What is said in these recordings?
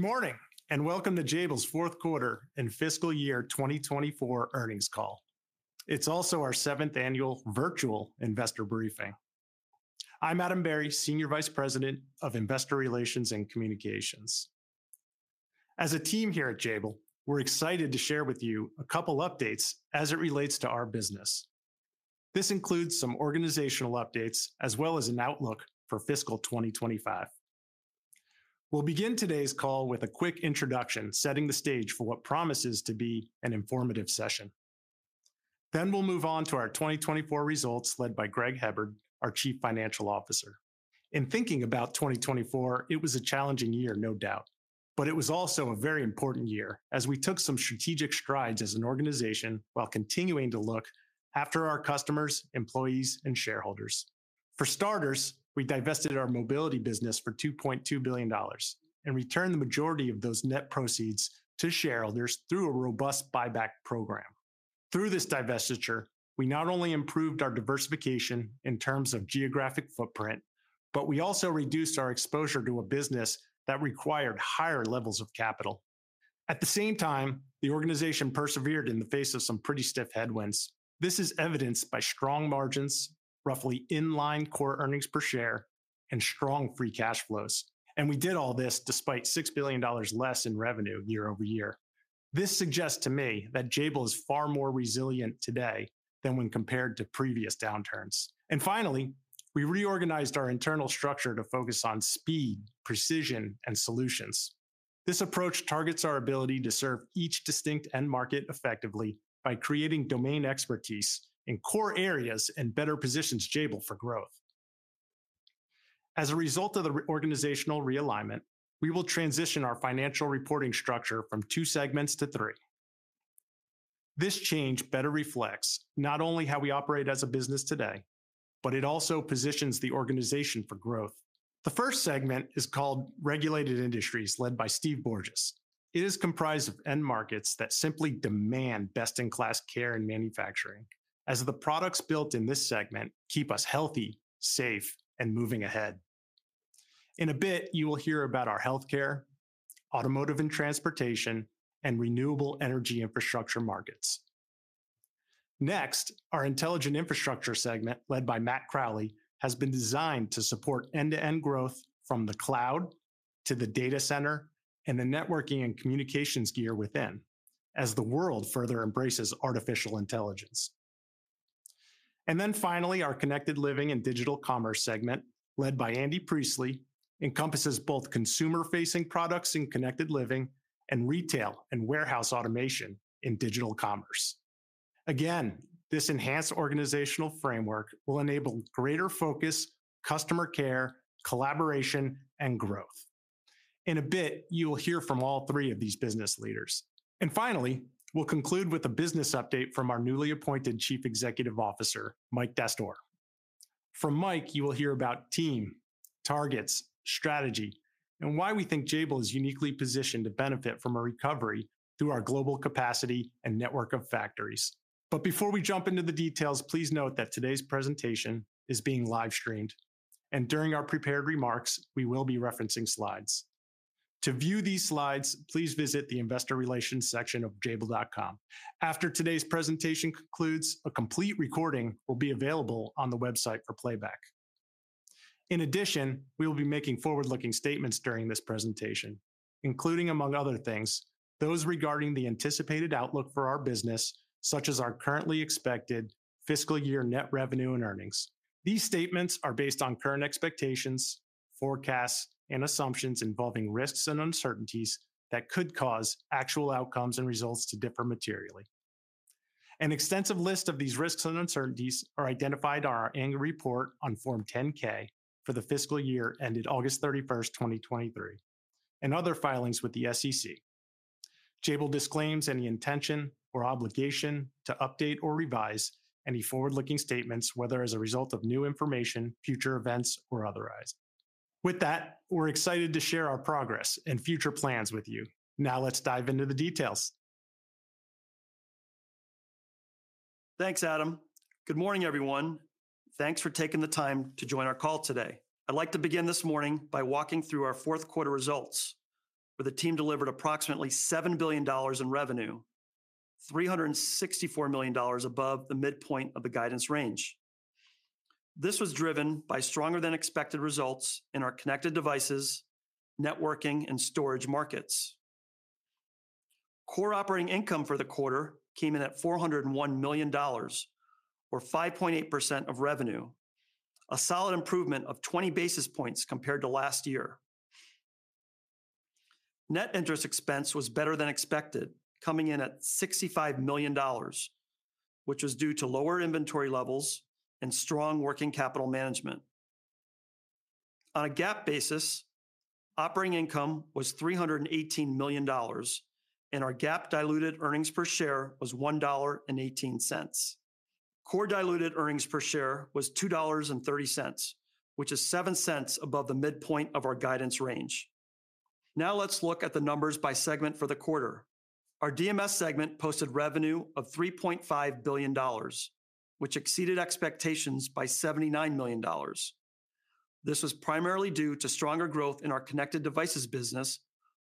Good morning, and welcome to Jabil's fourth quarter and fiscal year 2024 earnings call. It's also our seventh annual virtual investor briefing. I'm Adam Berry, Senior Vice President of Investor Relations and Communications. As a team here at Jabil, we're excited to share with you a couple of updates as it relates to our business. This includes some organizational updates as well as an outlook for fiscal 2025. We'll begin today's call with a quick introduction, setting the stage for what promises to be an informative session. Then we'll move on to our 2024 results, led by Greg Hebard, our Chief Financial Officer. In thinking about 2024, it was a challenging year, no doubt, but it was also a very important year as we took some strategic strides as an organization while continuing to look after our customers, employees, and shareholders. For starters, we divested our Mobility business for $2.2 billion and returned the majority of those net proceeds to shareholders through a robust buyback program. Through this divestiture, we not only improved our diversification in terms of geographic footprint, but we also reduced our exposure to a business that required higher levels of capital. At the same time, the organization persevered in the face of some pretty stiff headwinds. This is evidenced by strong margins, roughly in-line core earnings per share, and strong free cash flows, and we did all this despite $6 billion less in revenue year-over-year. This suggests to me that Jabil is far more resilient today than when compared to previous downturns. And finally, we reorganized our internal structure to focus on speed, precision, and solutions. This approach targets our ability to serve each distinct end market effectively by creating domain expertise in core areas and better positions Jabil for growth. As a result of the organizational realignment, we will transition our financial reporting structure from two segments to three. This change better reflects not only how we operate as a business today, but it also positions the organization for growth. The first segment is called Regulated Industries, led by Steve Borges. It is comprised of end markets that simply demand best-in-class care and manufacturing, as the products built in this segment keep us healthy, safe, and moving ahead. In a bit, you will hear about our healthcare, automotive and transportation, and renewable energy infrastructure markets. Next, our Intelligent Infrastructure segment, led by Matt Crowley, has been designed to support end-to-end growth from the cloud to the data center and the networking and communications gear within, as the world further embraces artificial intelligence. And then finally, our Connected Living and Digital Commerce segment, led by Andy Priestley, encompasses both consumer-facing products in Connected Living and retail and warehouse automation in Digital Commerce. Again, this enhanced organizational framework will enable greater focus, customer care, collaboration, and growth. In a bit, you will hear from all three of these business leaders. And finally, we'll conclude with a business update from our newly appointed Chief Executive Officer, Mike Dastoor. From Mike, you will hear about the team, targets, strategy, and why we think Jabil is uniquely positioned to benefit from a recovery through our global capacity and network of factories. But before we jump into the details, please note that today's presentation is being live-streamed, and during our prepared remarks, we will be referencing slides. To view these slides, please visit the Investor Relations section of Jabil.com. After today's presentation concludes, a complete recording will be available on the website for playback. In addition, we will be making forward-looking statements during this presentation, including, among other things, those regarding the anticipated outlook for our business, such as our currently expected fiscal year net revenue and earnings. These statements are based on current expectations, forecasts, and assumptions involving risks and uncertainties that could cause actual outcomes and results to differ materially. An extensive list of these risks and uncertainties are identified in our annual report on Form 10-K for the fiscal year ended August 31st, 2023, and other filings with the SEC. Jabil disclaims any intention or obligation to update or revise any forward-looking statements, whether as a result of new information, future events, or otherwise. With that, we're excited to share our progress and future plans with you. Now, let's dive into the details. Thanks, Adam. Good morning, everyone. Thanks for taking the time to join our call today. I'd like to begin this morning by walking through our fourth quarter results, where the team delivered approximately $7 billion in revenue, $364 million above the midpoint of the guidance range. This was driven by stronger-than-expected results in our connected devices, networking, and storage markets. Core operating income for the quarter came in at $401 million, or 5.8% of revenue, a solid improvement of 20 basis points compared to last year. Net interest expense was better than expected, coming in at $65 million, which was due to lower inventory levels and strong working capital management. On a GAAP basis, operating income was $318 million, and our GAAP diluted earnings per share was $1.18. Core diluted earnings per share was $2.30, which is $0.07 above the midpoint of our guidance range. Now, let's look at the numbers by segment for the quarter. Our DMS segment posted revenue of $3.5 billion, which exceeded expectations by $79 million. This was primarily due to stronger growth in our connected devices business,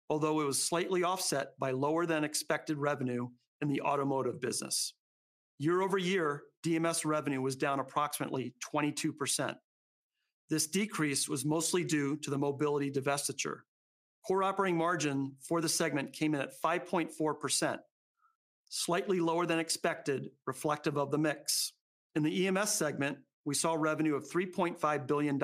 although it was slightly offset by lower-than-expected revenue in the automotive business. Year-over-year, DMS revenue was down approximately 22%. This decrease was mostly due to the Mobility divestiture. Core operating margin for the segment came in at 5.4%, slightly lower than expected, reflective of the mix. In the EMS segment, we saw revenue of $3.5 billion,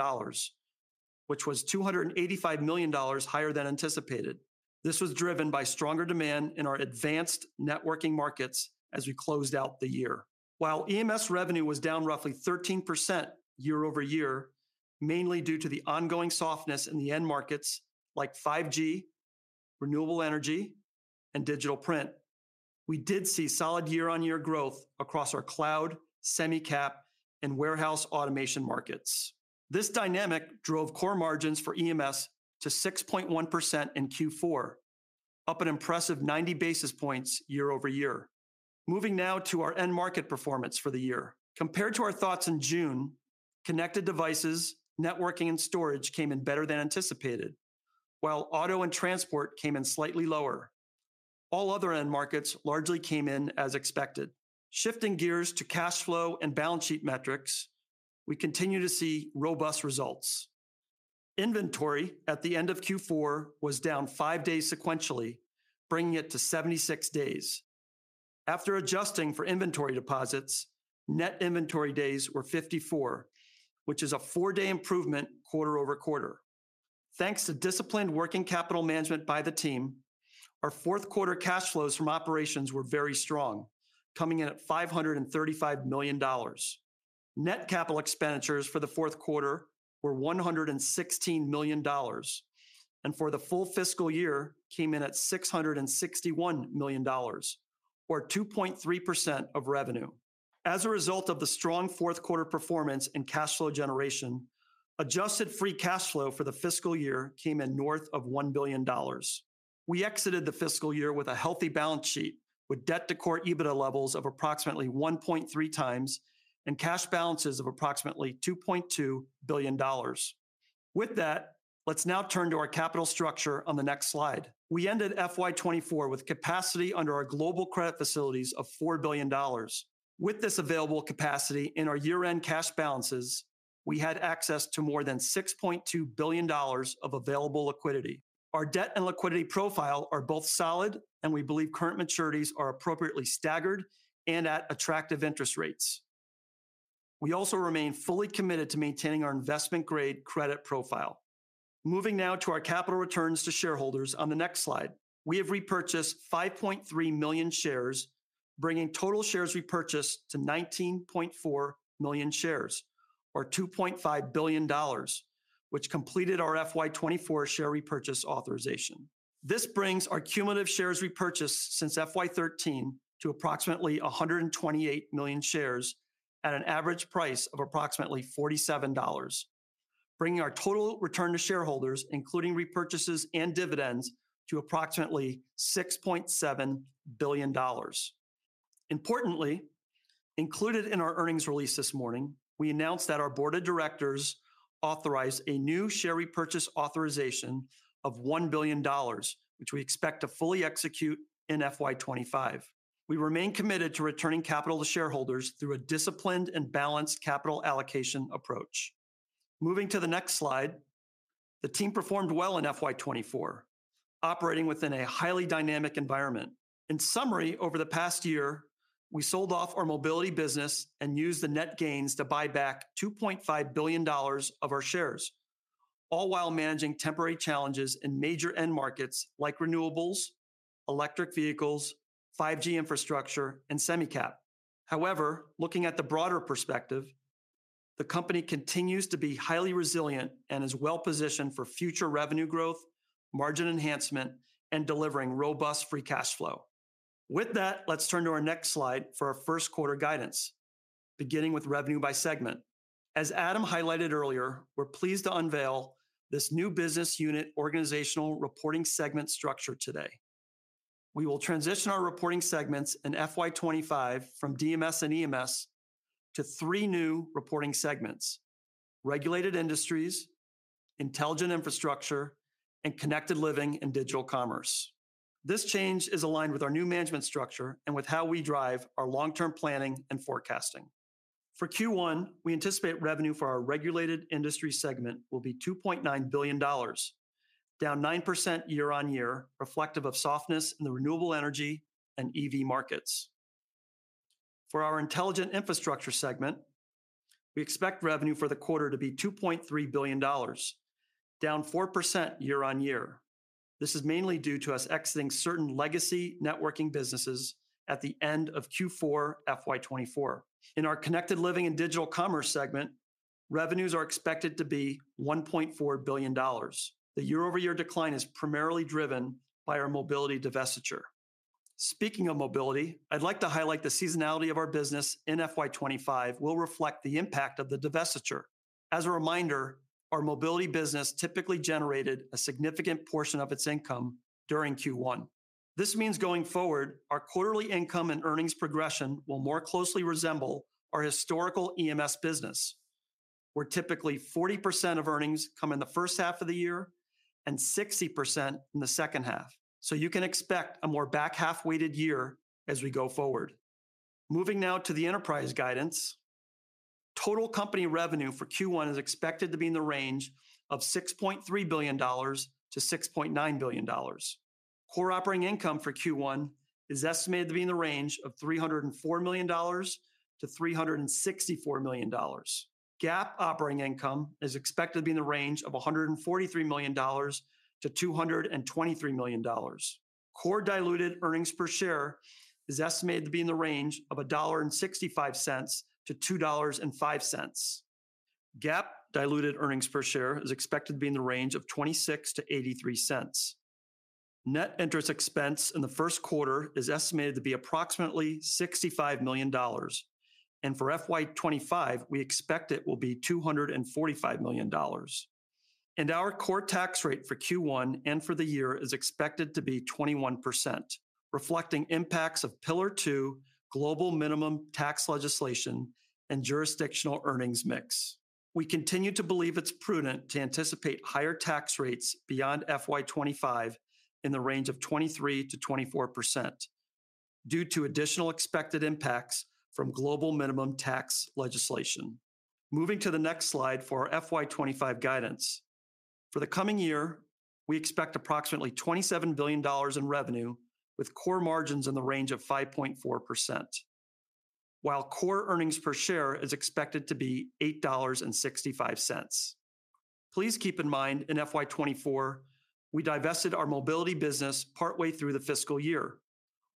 which was $285 million higher than anticipated. This was driven by stronger demand in our advanced networking markets as we closed out the year. While EMS revenue was down roughly 13% year-over-year, mainly due to the ongoing softness in the end markets like 5G, renewable energy, and digital print, we did see solid year-on-year growth across our cloud, semi-cap, and warehouse automation markets. This dynamic drove core margins for EMS to 6.1% in Q4, up an impressive 90 basis points year-over-year. Moving now to our end market performance for the year. Compared to our thoughts in June, connected devices, networking, and storage came in better than anticipated, while auto and transport came in slightly lower. All other end markets largely came in as expected. Shifting gears to cash flow and balance sheet metrics, we continue to see robust results. Inventory at the end of Q4 was down 5 days sequentially, bringing it to 76 days. After adjusting for inventory deposits, net inventory days were 54, which is a 4-day improvement quarter over quarter. Thanks to disciplined working capital management by the team, our fourth quarter cash flows from operations were very strong, coming in at $535 million. Net capital expenditures for the fourth quarter were $116 million, and for the full fiscal year, came in at $661 million, or 2.3% of revenue. As a result of the strong fourth quarter performance and cash flow generation, adjusted free cash flow for the fiscal year came in north of $1 billion. We exited the fiscal year with a healthy balance sheet, with debt-to-core EBITDA levels of approximately 1.3x and cash balances of approximately $2.2 billion. With that, let's now turn to our capital structure on the next slide. We ended FY 2024 with capacity under our global credit facilities of $4 billion. With this available capacity in our year-end cash balances, we had access to more than $6.2 billion of available liquidity. Our debt and liquidity profiles are both solid, and we believe current maturities are appropriately staggered and at attractive interest rates. We also remain fully committed to maintaining our investment-grade credit profile. Moving now to our capital returns to shareholders on the next slide. We have repurchased 5.3 million shares, bringing total shares repurchased to 19.4 million shares, or $2.5 billion, which completed our FY 2024 share repurchase authorization. This brings our cumulative shares repurchased since FY 2013 to approximately 128 million shares at an average price of approximately $47, bringing our total return to shareholders, including repurchases and dividends, to approximately $6.7 billion. Importantly, included in our earnings release this morning, we announced that our board of directors authorized a new share repurchase authorization of $1 billion, which we expect to fully execute in FY 2025. We remain committed to returning capital to shareholders through a disciplined and balanced capital allocation approach. Moving to the next slide, the team performed well in FY 2024, operating within a highly dynamic environment. In summary, over the past year, we sold off our Mobility business and used the net gains to buy back $2.5 billion of our shares, all while managing temporary challenges in major end markets like renewables, electric vehicles, 5G infrastructure, and semi-cap. However, looking at the broader perspective, the company continues to be highly resilient and is well-positioned for future revenue growth, margin enhancement, and delivering robust free cash flow. With that, let's turn to our next slide for our first quarter guidance, beginning with revenue by segment. As Adam highlighted earlier, we're pleased to unveil this new business unit organizational reporting segment structure today. We will transition our reporting segments in FY 2025 from DMS and EMS to three new reporting segments: Regulated Industries, Intelligent Infrastructure, and Connected Living and Digital Commerce. This change is aligned with our new management structure and with how we drive our long-term planning and forecasting. For Q1, we anticipate revenue for our Regulated Industries segment will be $2.9 billion, down 9% year-on-year, reflective of softness in the renewable energy and EV markets. For our Intelligent Infrastructure segment, we expect revenue for the quarter to be $2.3 billion, down 4% year-on-year. This is mainly due to us exiting certain legacy networking businesses at the end of Q4, FY 2024. In our Connected Living and Digital Commerce segment, revenues are expected to be $1.4 billion. The year-over-year decline is primarily driven by our Mobility divestiture. Speaking of Mobility, I'd like to highlight the seasonality of our business in FY 2025 will reflect the impact of the divestiture. As a reminder, our Mobility business typically generated a significant portion of its income during Q1. This means going forward, our quarterly income and earnings progression will more closely resemble our historical EMS business, where typically 40% of earnings come in the first half of the year and 60% in the second half. So you can expect a more back-half-weighted year as we go forward. Moving now to the enterprise guidance. Total company revenue for Q1 is expected to be in the range of $6.3 billion-$6.9 billion. Core operating income for Q1 is estimated to be in the range of $304 million-$364 million. GAAP operating income is expected to be in the range of $143 million-$223 million. Core diluted earnings per share is estimated to be in the range of $1.65-$2.05. GAAP diluted earnings per share is expected to be in the range of $0.26-$0.83. Net interest expense in the first quarter is estimated to be approximately $65 million, and for FY 2025, we expect it will be $245 million. Our core tax rate for Q1 and for the year is expected to be 21%, reflecting impacts of Pillar Two, global minimum tax legislation, and jurisdictional earnings mix. We continue to believe it's prudent to anticipate higher tax rates beyond FY 2025 in the range of 23%-24%, due to additional expected impacts from global minimum tax legislation. Moving to the next slide for our FY 2025 guidance. For the coming year, we expect approximately $27 billion in revenue, with core margins in the range of 5.4%, while core earnings per share is expected to be $8.65. Please keep in mind, in FY 2024, we divested our Mobility business partway through the fiscal year,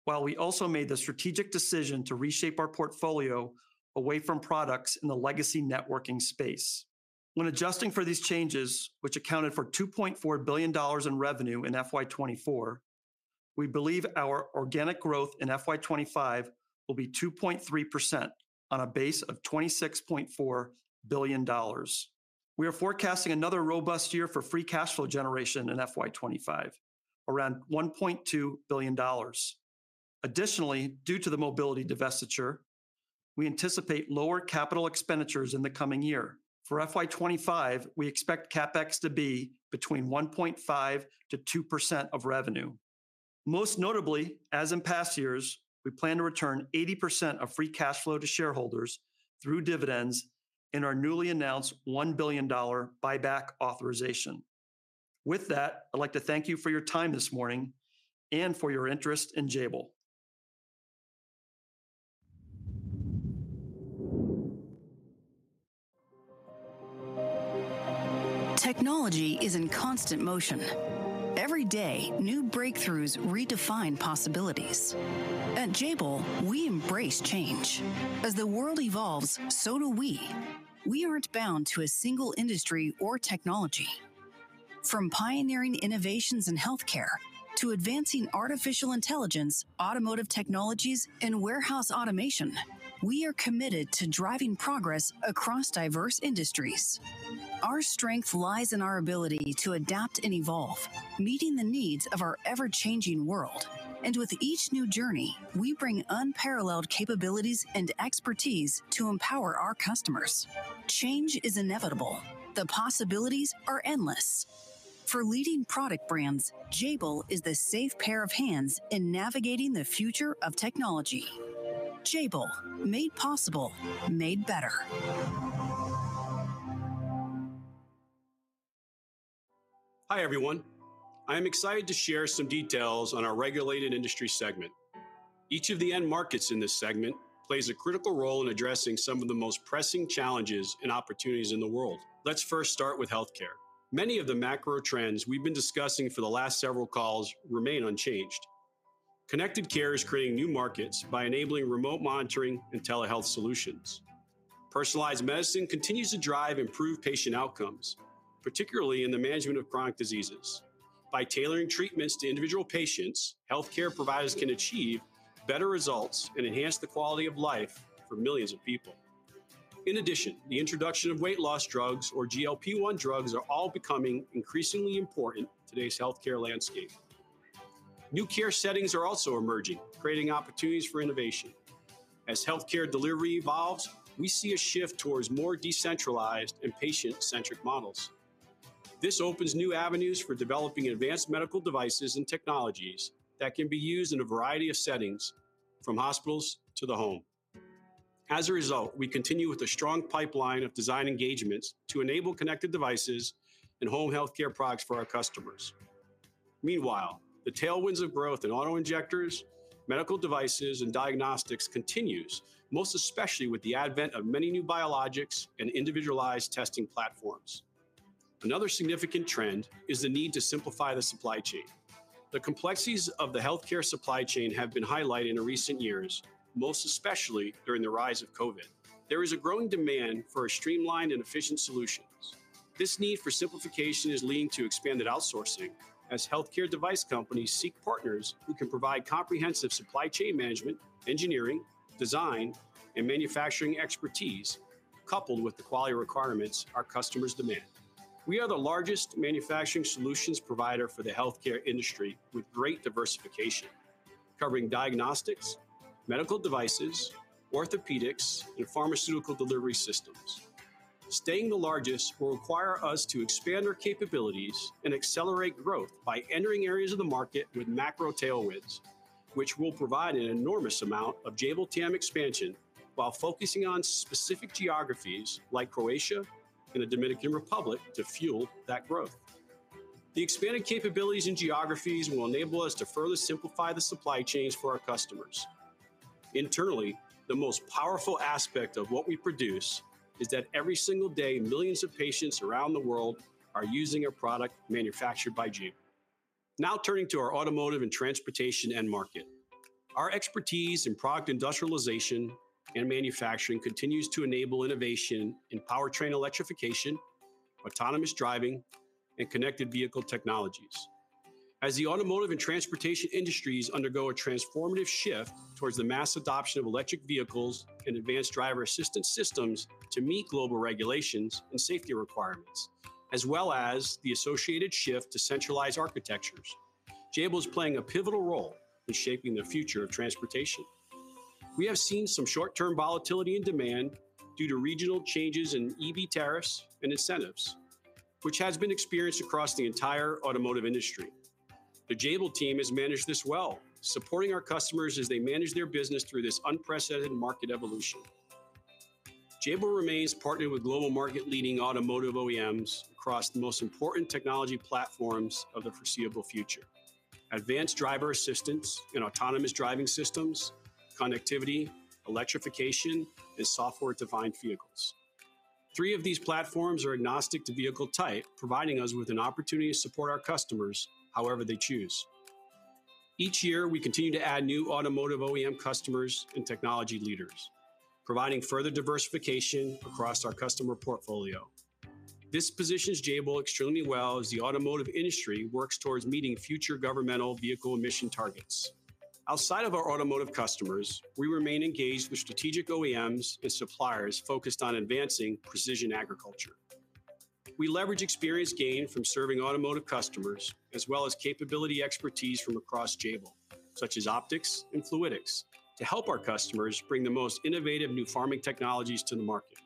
while we also made the strategic decision to reshape our portfolio away from products in the legacy networking space. When adjusting for these changes, which accounted for $2.4 billion in revenue in FY 2024, we believe our organic growth in FY 2025 will be 2.3% on a base of $26.4 billion. We are forecasting another robust year for free cash flow generation in FY 2025, around $1.2 billion. Additionally, due to the Mobility divestiture, we anticipate lower capital expenditures in the coming year. For FY 2025, we expect CapEx to be between 1.5% to 2% of revenue. Most notably, as in past years, we plan to return 80% of free cash flow to shareholders through dividends in our newly announced $1 billion buyback authorization. With that, I'd like to thank you for your time this morning and for your interest in Jabil. Technology is in constant motion. Every day, new breakthroughs redefine possibilities. At Jabil, we embrace change. As the world evolves, so do we. We aren't bound to a single industry or technology. From pioneering innovations in healthcare to advancing artificial intelligence, automotive technologies, and warehouse automation, we are committed to driving progress across diverse industries. Our strength lies in our ability to adapt and evolve, meeting the needs of our ever-changing world. And with each new journey, we bring unparalleled capabilities and expertise to empower our customers. Change is inevitable. The possibilities are endless. For leading product brands, Jabil is the safe pair of hands in navigating the future of technology. Jabil, made possible, made better. Hi, everyone. I am excited to share some details on our Regulated Industries segment. Each of the end markets in this segment plays a critical role in addressing some of the most pressing challenges and opportunities in the world. Let's first start with healthcare. Many of the macro trends we've been discussing for the last several calls remain unchanged. Connected care is creating new markets by enabling remote monitoring and telehealth solutions. Personalized medicine continues to drive improved patient outcomes, particularly in the management of chronic diseases. By tailoring treatments to individual patients, healthcare providers can achieve better results and enhance the quality of life for millions of people. In addition, the introduction of weight loss drugs or GLP-1 drugs are all becoming increasingly important in today's healthcare landscape. New care settings are also emerging, creating opportunities for innovation. As healthcare delivery evolves, we see a shift towards more decentralized and patient-centric models. This opens new avenues for developing advanced medical devices and technologies that can be used in a variety of settings, from hospitals to the home. As a result, we continue with a strong pipeline of design engagements to enable connected devices and home healthcare products for our customers. Meanwhile, the tailwinds of growth in auto-injectors, medical devices, and diagnostics continues, most especially with the advent of many new biologics and individualized testing platforms. Another significant trend is the need to simplify the supply chain. The complexities of the healthcare supply chain have been highlighted in the recent years, most especially during the rise of COVID. There is a growing demand for a streamlined and efficient solution. This need for simplification is leading to expanded outsourcing as healthcare device companies seek partners who can provide comprehensive supply chain management, engineering, design, and manufacturing expertise, coupled with the quality requirements our customers demand. We are the largest manufacturing solutions provider for the healthcare industry, with great diversification, covering diagnostics, medical devices, orthopedics, and pharmaceutical delivery systems. Staying the largest will require us to expand our capabilities and accelerate growth by entering areas of the market with macro tailwinds, which will provide an enormous amount of Jabil TAM expansion, while focusing on specific geographies like Croatia and the Dominican Republic to fuel that growth. The expanded capabilities and geographies will enable us to further simplify the supply chains for our customers. Internally, the most powerful aspect of what we produce is that every single day, millions of patients around the world are using a product manufactured by Jabil. Now, turning to our automotive and transportation end market. Our expertise in product industrialization and manufacturing continues to enable innovation in powertrain electrification, autonomous driving, and connected vehicle technologies. As the automotive and transportation industries undergo a transformative shift towards the mass adoption of electric vehicles and advanced driver-assistance systems to meet global regulations and safety requirements, as well as the associated shift to centralized architectures, Jabil is playing a pivotal role in shaping the future of transportation. We have seen some short-term volatility in demand due to regional changes in EV tariffs and incentives, which has been experienced across the entire automotive industry. The Jabil team has managed this well, supporting our customers as they manage their business through this unprecedented market evolution. Jabil remains partnered with global market-leading automotive OEMs across the most important technology platforms of the foreseeable future: advanced driver assistance and autonomous driving systems, connectivity, electrification, and software-defined vehicles. Three of these platforms are agnostic to vehicle type, providing us with an opportunity to support our customers however they choose. Each year, we continue to add new automotive OEM customers and technology leaders, providing further diversification across our customer portfolio. This positions Jabil extremely well as the automotive industry works towards meeting future governmental vehicle emission targets. Outside of our automotive customers, we remain engaged with strategic OEMs and suppliers focused on advancing precision agriculture. We leverage experience gained from serving automotive customers, as well as capability expertise from across Jabil, such as optics and fluidics, to help our customers bring the most innovative new farming technologies to the market.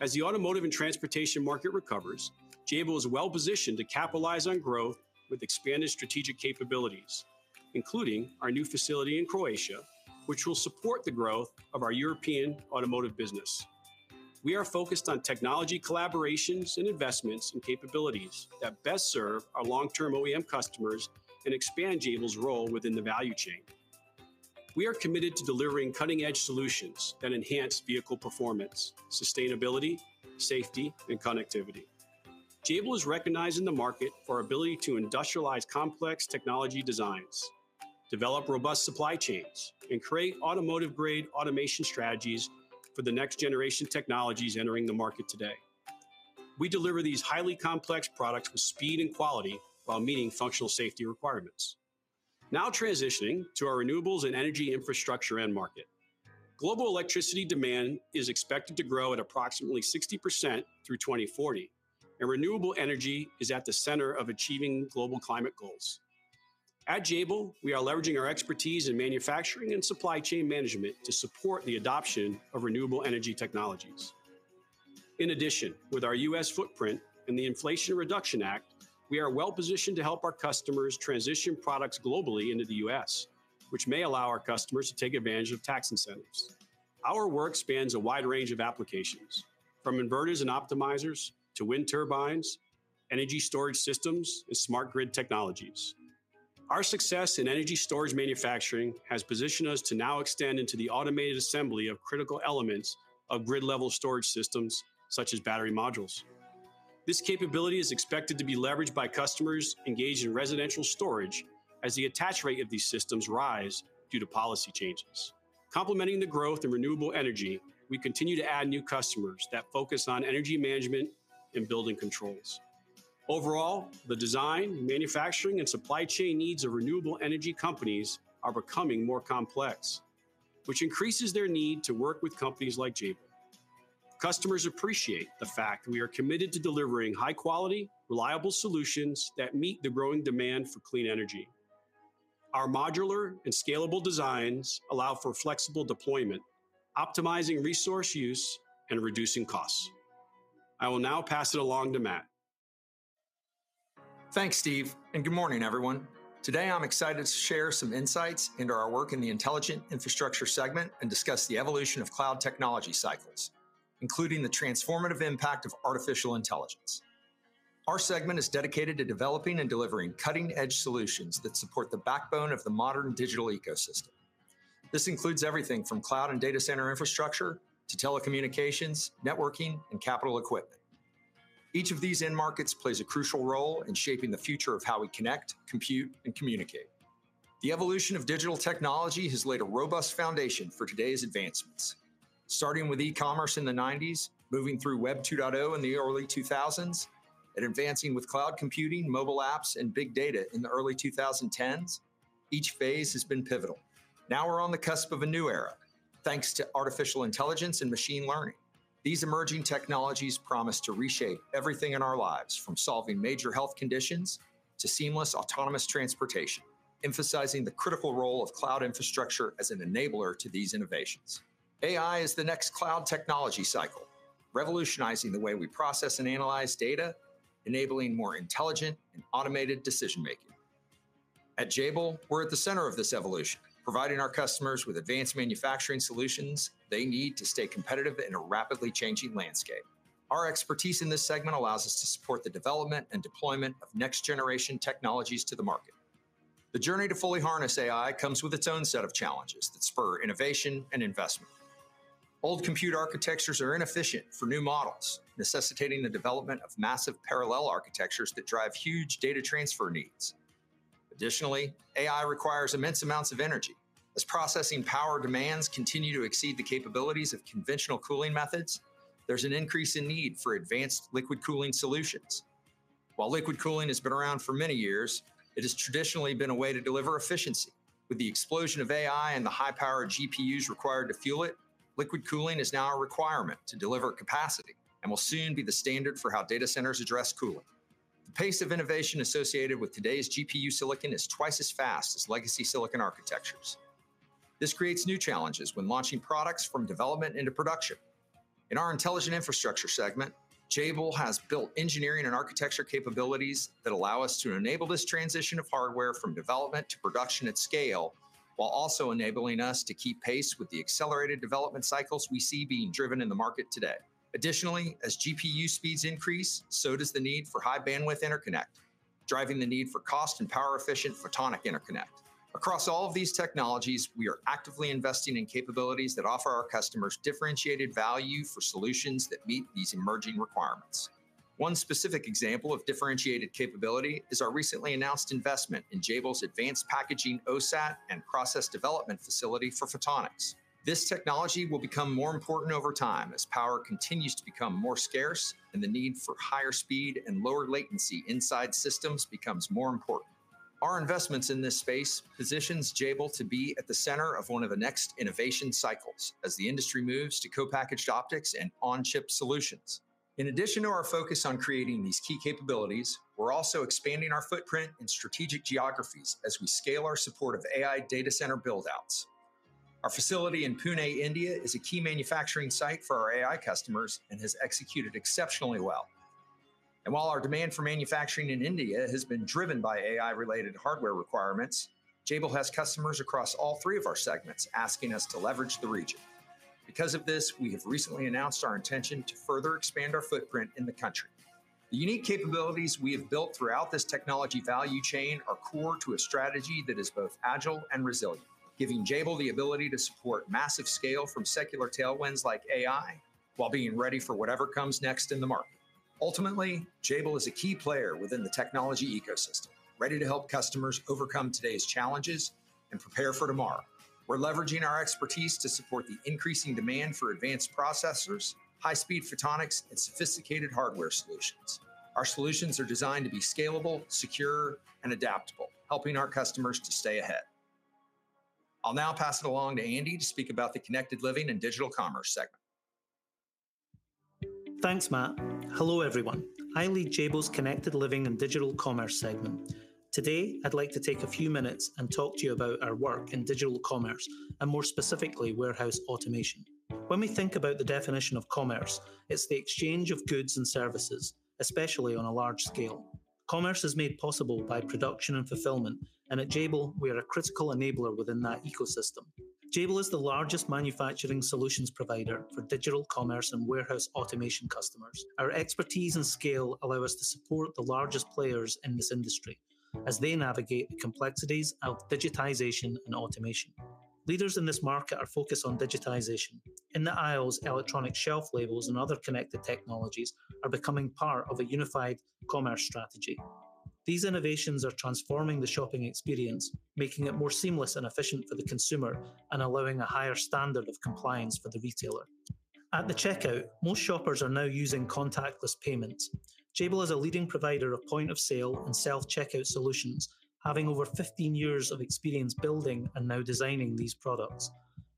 As the automotive and transportation market recovers, Jabil is well-positioned to capitalize on growth with expanded strategic capabilities, including our new facility in Croatia, which will support the growth of our European automotive business. We are focused on technology collaborations and investments in capabilities that best serve our long-term OEM customers and expand Jabil's role within the value chain. We are committed to delivering cutting-edge solutions that enhance vehicle performance, sustainability, safety, and connectivity. Jabil is recognized in the market for our ability to industrialize complex technology designs, develop robust supply chains, and create automotive-grade automation strategies for the next-generation technologies entering the market today. We deliver these highly complex products with speed and quality while meeting functional safety requirements. Now transitioning to our renewables and energy infrastructure end market. Global electricity demand is expected to grow at approximately 60% through 2040, and renewable energy is at the center of achieving global climate goals. At Jabil, we are leveraging our expertise in manufacturing and supply chain management to support the adoption of renewable energy technologies. In addition, with our U.S. footprint and the Inflation Reduction Act, we are well-positioned to help our customers transition products globally into the U.S., which may allow our customers to take advantage of tax incentives. Our work spans a wide range of applications, from inverters and optimizers to wind turbines, energy storage systems, and smart grid technologies. Our success in energy storage manufacturing has positioned us to now extend into the automated assembly of critical elements of grid-level storage systems, such as battery modules. This capability is expected to be leveraged by customers engaged in residential storage as the attach rate of these systems rise due to policy changes. Complementing the growth in renewable energy, we continue to add new customers that focus on energy management and building controls. Overall, the design, manufacturing, and supply chain needs of renewable energy companies are becoming more complex, which increases their need to work with companies like Jabil. Customers appreciate the fact we are committed to delivering high-quality, reliable solutions that meet the growing demand for clean energy. Our modular and scalable designs allow for flexible deployment, optimizing resource use, and reducing costs. I will now pass it along to Matt. Thanks, Steve, and good morning, everyone. Today, I'm excited to share some insights into our work in the Intelligent Infrastructure segment and discuss the evolution of cloud technology cycles, including the transformative impact of artificial intelligence. Our segment is dedicated to developing and delivering cutting-edge solutions that support the backbone of the modern digital ecosystem. This includes everything from cloud and data center infrastructure to telecommunications, networking, and capital equipment. Each of these end markets plays a crucial role in shaping the future of how we connect, compute, and communicate. The evolution of digital technology has laid a robust foundation for today's advancements. Starting with e-commerce in the nineties, moving through Web 2.0 in the early 2000s, and advancing with cloud computing, mobile apps, and big data in the early 2010s, each phase has been pivotal. Now we're on the cusp of a new era, thanks to artificial intelligence and machine learning. These emerging technologies promise to reshape everything in our lives, from solving major health conditions to seamless autonomous transportation, emphasizing the critical role of cloud infrastructure as an enabler to these innovations. AI is the next cloud technology cycle, revolutionizing the way we process and analyze data, enabling more intelligent and automated decision-making. At Jabil, we're at the center of this evolution, providing our customers with the advanced manufacturing solutions they need to stay competitive in a rapidly changing landscape. Our expertise in this segment allows us to support the development and deployment of next-generation technologies to the market. The journey to fully harness AI comes with its own set of challenges that spur innovation and investment. Old computer architectures are inefficient for new models, necessitating the development of massively parallel architectures that drive huge data transfer needs. Additionally, AI requires immense amounts of energy. As processing power demands continue to exceed the capabilities of conventional cooling methods, there's an increase in the need for advanced liquid cooling solutions. While liquid cooling has been around for many years, it has traditionally been a way to deliver efficiency. With the explosion of AI and the high-powered GPUs required to fuel it, liquid cooling is now a requirement to deliver capacity and will soon be the standard for how data centers address cooling. The pace of innovation associated with today's GPU silicon is twice as fast as legacy silicon architectures. This creates new challenges when launching products from development into production. In our Intelligent Infrastructure segment, Jabil has built engineering and architecture capabilities that allow us to enable this transition of hardware from development to production at scale, while also enabling us to keep pace with the accelerated development cycles we see being driven in the market today. Additionally, as GPU speeds increase, so does the need for high-bandwidth interconnect, driving the need for cost and power-efficient photonic interconnect. Across all of these technologies, we are actively investing in capabilities that offer our customers differentiated value for solutions that meet these emerging requirements. One specific example of differentiated capability is our recently announced investment in Jabil's advanced packaging OSAT and process development facility for photonics. This technology will become more important over time as power continues to become more scarce and the need for higher speed and lower latency inside systems becomes more important. Our investments in this space positions Jabil to be at the center of one of the next innovation cycles as the industry moves to co-packaged optics and on-chip solutions. In addition to our focus on creating these key capabilities, we're also expanding our footprint in strategic geographies as we scale our support of AI data center build-outs. Our facility in Pune, India, is a key manufacturing site for our AI customers and has executed exceptionally well. And while our demand for manufacturing in India has been driven by AI-related hardware requirements, Jabil has customers across all three of our segments asking us to leverage the region. Because of this, we have recently announced our intention to further expand our footprint in the country. The unique capabilities we have built throughout this technology value chain are core to a strategy that is both agile and resilient, giving Jabil the ability to support massive scale from secular tailwinds like AI while being ready for whatever comes next in the market. Ultimately, Jabil is a key player within the technology ecosystem, ready to help customers overcome today's challenges and prepare for tomorrow. We're leveraging our expertise to support the increasing demand for advanced processors, high-speed photonics, and sophisticated hardware solutions. Our solutions are designed to be scalable, secure, and adaptable, helping our customers to stay ahead. I'll now pass it along to Andy to speak about the Connected Living and Digital Commerce segment. Thanks, Matt. Hello, everyone. I lead Jabil's Connected Living and Digital Commerce segment. Today, I'd like to take a few minutes and talk to you about our work in Digital Commerce, and more specifically, warehouse automation. When we think about the definition of commerce, it's the exchange of goods and services, especially on a large scale. Commerce is made possible by production and fulfillment, and at Jabil, we are a critical enabler within that ecosystem. Jabil is the largest manufacturing solutions provider for Digital Commerce and warehouse automation customers. Our expertise and scale allow us to support the largest players in this industry as they navigate the complexities of digitization and automation. Leaders in this market are focused on digitization. In the aisles, electronic shelf labels and other connected technologies are becoming part of a unified commerce strategy. These innovations are transforming the shopping experience, making it more seamless and efficient for the consumer and allowing a higher standard of compliance for the retailer. At the checkout, most shoppers are now using contactless payments. Jabil is a leading provider of point-of-sale and self-checkout solutions, having over 15 years of experience building and now designing these products.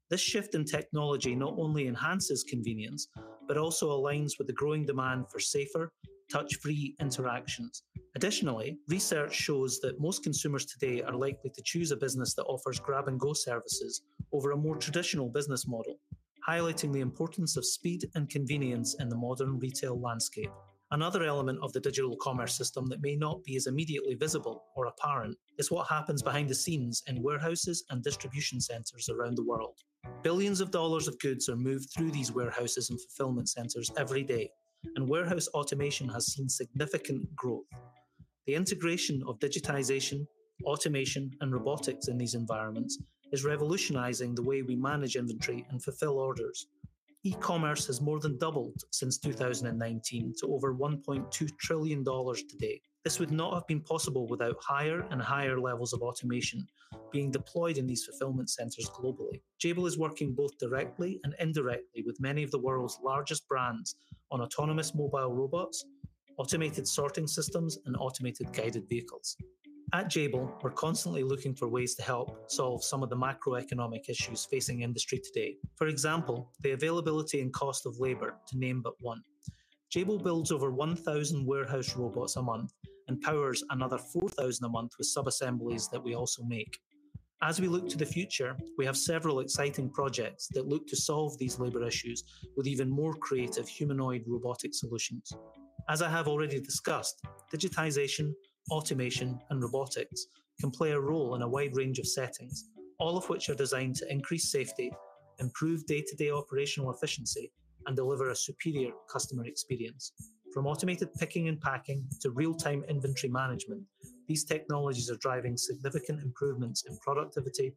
This shift in technology not only enhances convenience but also aligns with the growing demand for safer, touch-free interactions. Additionally, research shows that most consumers today are likely to choose a business that offers grab-and-go services over a more traditional business model, highlighting the importance of speed and convenience in the modern retail landscape. Another element of the Digital Commerce system that may not be as immediately visible or apparent is what happens behind the scenes in warehouses and distribution centers around the world. Billions of dollars of goods are moved through these warehouses and fulfillment centers every day, and warehouse automation has seen significant growth. The integration of digitization, automation, and robotics in these environments is revolutionizing the way we manage inventory and fulfill orders. E-commerce has more than doubled since 2019 to over $1.2 trillion today. This would not have been possible without higher and higher levels of automation being deployed in these fulfillment centers globally. Jabil is working both directly and indirectly with many of the world's largest brands on autonomous mobile robots, automated sorting systems, and automated guided vehicles. At Jabil, we're constantly looking for ways to help solve some of the macroeconomic issues facing the industry today. For example, the availability and cost of labor, to name but one. Jabil builds over one thousand warehouse robots a month and powers another 4,000 a month with subassemblies that we also make. As we look to the future, we have several exciting projects that look to solve these labor issues with even more creative humanoid robotic solutions. As I have already discussed, digitization, automation, and robotics can play a role in a wide range of settings, all of which are designed to increase safety, improve day-to-day operational efficiency, and deliver a superior customer experience. From automated picking and packing to real-time inventory management, these technologies are driving significant improvements in productivity,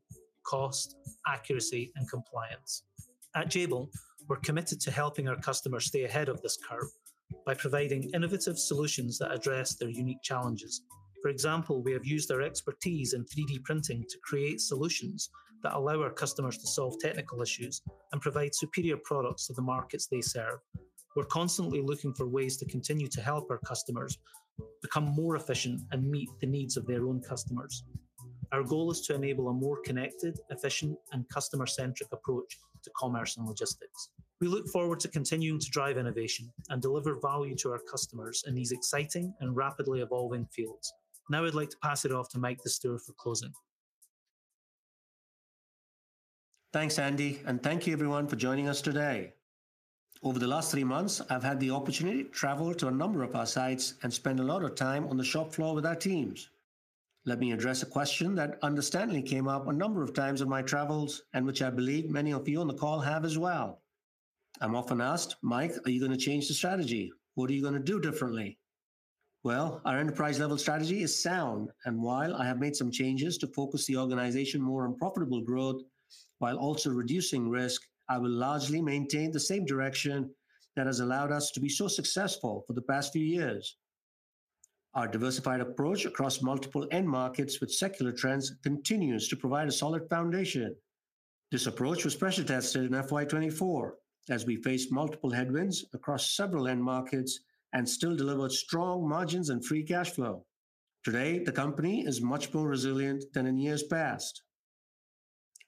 cost, accuracy, and compliance. At Jabil, we're committed to helping our customers stay ahead of this curve by providing innovative solutions that address their unique challenges. For example, we have used our expertise in 3D printing to create solutions that allow our customers to solve technical issues and provide superior products to the markets they serve. We're constantly looking for ways to continue to help our customers become more efficient and meet the needs of their own customers. Our goal is to enable a more connected, efficient, and customer-centric approach to commerce and logistics. We look forward to continuing to drive innovation and deliver value to our customers in these exciting and rapidly evolving fields. Now, I'd like to pass it off to Mike Dastoor for closing. Thanks, Andy, and thank you everyone for joining us today. Over the last three months, I've had the opportunity to travel to a number of our sites and spend a lot of time on the shop floor with our teams. Let me address a question that understandably came up a number of times on my travels, and which I believe many of you on the call have as well. I'm often asked, "Mike, are you gonna change the strategy? What are you gonna do differently?" Well, our enterprise-level strategy is sound, and while I have made some changes to focus the organization more on profitable growth while also reducing risk, I will largely maintain the same direction that has allowed us to be so successful for the past few years. Our diversified approach across multiple end markets with secular trends continues to provide a solid foundation. This approach was pressure tested in FY 2024 as we faced multiple headwinds across several end markets and still delivered strong margins and free cash flow. Today, the company is much more resilient than in years past.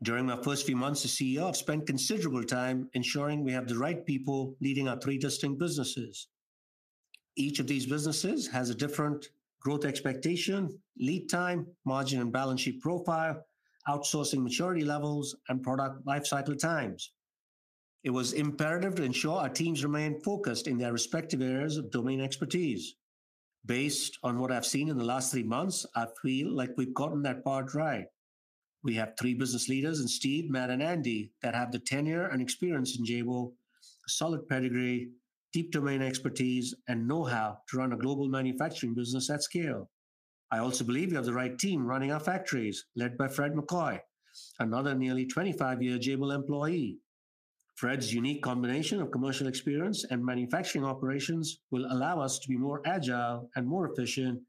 During my first few months as CEO, I've spent considerable time ensuring we have the right people leading our three distinct businesses. Each of these businesses has a different growth expectation, lead time, margin and balance sheet profile, outsourcing maturity levels, and product lifecycle times. It was imperative to ensure our teams remained focused in their respective areas of domain expertise. Based on what I've seen in the last three months, I feel like we've gotten that part right. We have three business leaders in Steve, Matt, and Andy, that have the tenure and experience in Jabil, a solid pedigree, deep domain expertise, and know-how to run a global manufacturing business at scale. I also believe we have the right team running our factories, led by Fred McCoy, another nearly 25-year Jabil employee. Fred's unique combination of commercial experience and manufacturing operations will allow us to be more agile and more efficient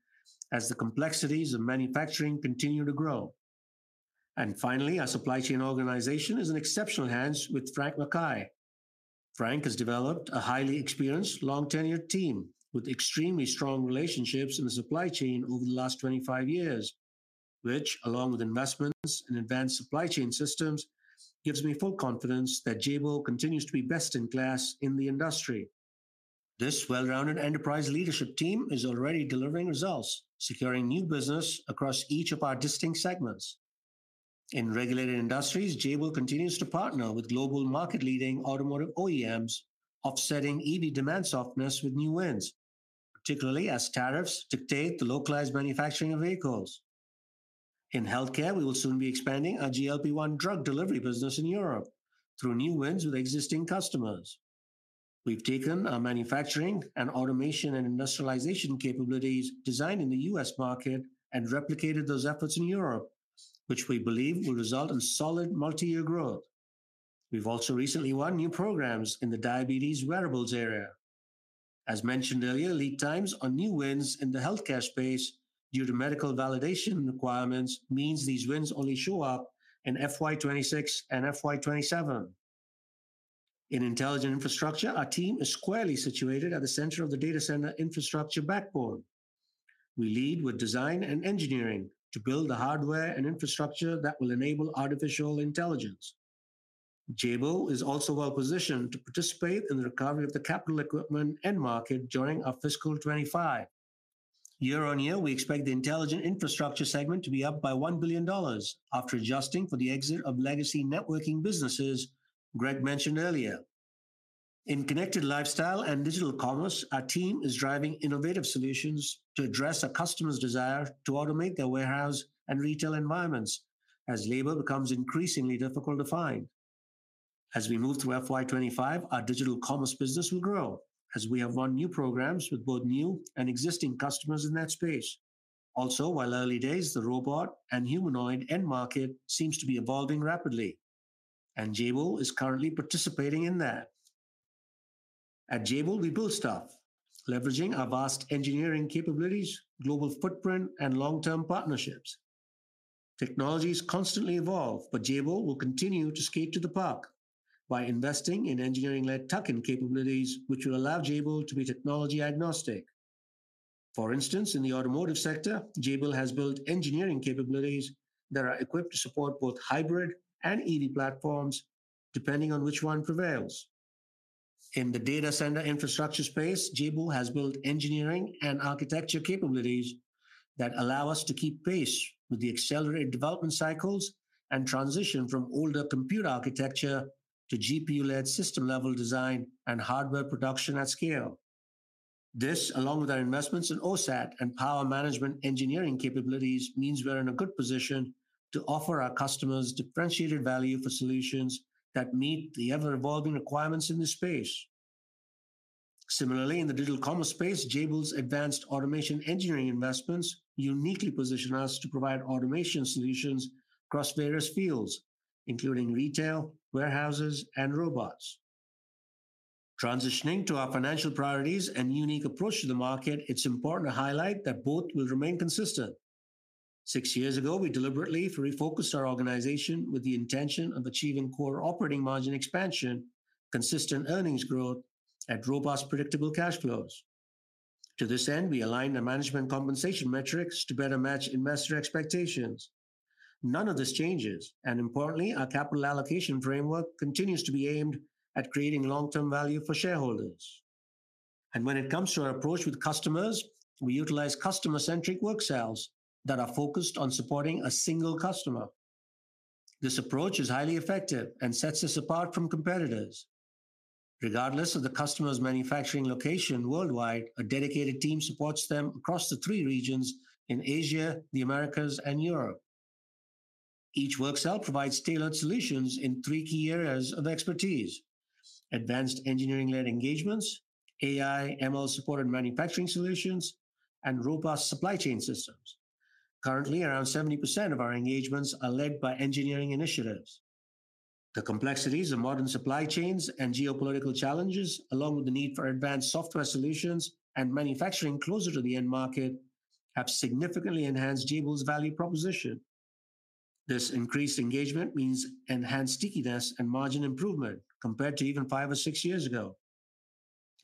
as the complexities of manufacturing continue to grow. And finally, our supply chain organization is in exceptional hands with Frank McKay. Frank has developed a highly experienced, long-tenured team with extremely strong relationships in the supply chain over the last 25 years, which, along with investments in advanced supply chain systems, gives me full confidence that Jabil continues to be best-in-class in the industry. This well-rounded enterprise leadership team is already delivering results, securing new business across each of our distinct segments. In Regulated Industries, Jabil continues to partner with global market-leading automotive OEMs, offsetting EV demand softness with new wins, particularly as tariffs dictate the localized manufacturing of vehicles. In healthcare, we will soon be expanding our GLP-1 drug delivery business in Europe through new wins with existing customers. We've taken our manufacturing and automation and industrialization capabilities designed in the U.S. market and replicated those efforts in Europe, which we believe will result in solid multi-year growth. We've also recently won new programs in the diabetes wearables area. As mentioned earlier, lead times on new wins in the healthcare space due to medical validation requirements, means these wins only show up in FY 2026 and FY 2027. In Intelligent Infrastructure, our team is squarely situated at the center of the data center infrastructure backbone. We lead with design and engineering to build the hardware and infrastructure that will enable artificial intelligence. Jabil is also well-positioned to participate in the recovery of the capital equipment end market during our fiscal 2025. year-on-year, we expect the Intelligent Infrastructure segment to be up by $1 billion after adjusting for the exit of legacy networking businesses Greg mentioned earlier. In Connected Living and Digital Commerce, our team is driving innovative solutions to address our customers' desire to automate their warehouse and retail environments as labor becomes increasingly difficult to find. As we move through FY 2025, our Digital Commerce business will grow as we have won new programs with both new and existing customers in that space. Also, while early days, the robot and humanoid end market seems to be evolving rapidly, and Jabil is currently participating in that. At Jabil, we build stuff, leveraging our vast engineering capabilities, global footprint, and long-term partnerships. Technologies constantly evolve, but Jabil will continue to skate to the puck by investing in engineering-led tuck-in capabilities, which will allow Jabil to be technology agnostic. For instance, in the automotive sector, Jabil has built engineering capabilities that are equipped to support both hybrid and EV platforms, depending on which one prevails. In the data center infrastructure space, Jabil has built engineering and architecture capabilities that allow us to keep pace with the accelerated development cycles and transition from older computer architecture to GPU-led system-level design and hardware production at scale. This, along with our investments in OSAT and power management engineering capabilities, means we're in a good position to offer our customers differentiated value for solutions that meet the ever-evolving requirements in this space. Similarly, in the Digital Commerce space, Jabil's advanced automation engineering investments uniquely position us to provide automation solutions across various fields, including retail, warehouses, and robots. Transitioning to our financial priorities and unique approach to the market, it's important to highlight that both will remain consistent. Six years ago, we deliberately refocused our organization with the intention of achieving core operating margin expansion, consistent earnings growth, and robust, predictable cash flows. To this end, we aligned our management compensation metrics to better match investor expectations. None of this changes, and importantly, our capital allocation framework continues to be aimed at creating long-term value for shareholders. And when it comes to our approach with customers, we utilize customer-centric work cells that are focused on supporting a single customer. This approach is highly effective and sets us apart from competitors. Regardless of the customer's manufacturing location worldwide, a dedicated team supports them across the three regions in Asia, the Americas, and Europe. Each work cell provides tailored solutions in three key areas of expertise: advanced engineering-led engagements, AI/ML-supported manufacturing solutions, and robust supply chain systems. Currently, around 70% of our engagements are led by engineering initiatives. The complexities of modern supply chains and geopolitical challenges, along with the need for advanced software solutions and manufacturing closer to the end market, have significantly enhanced Jabil's value proposition. This increased engagement means enhanced stickiness and margin improvement compared to even five or six years ago,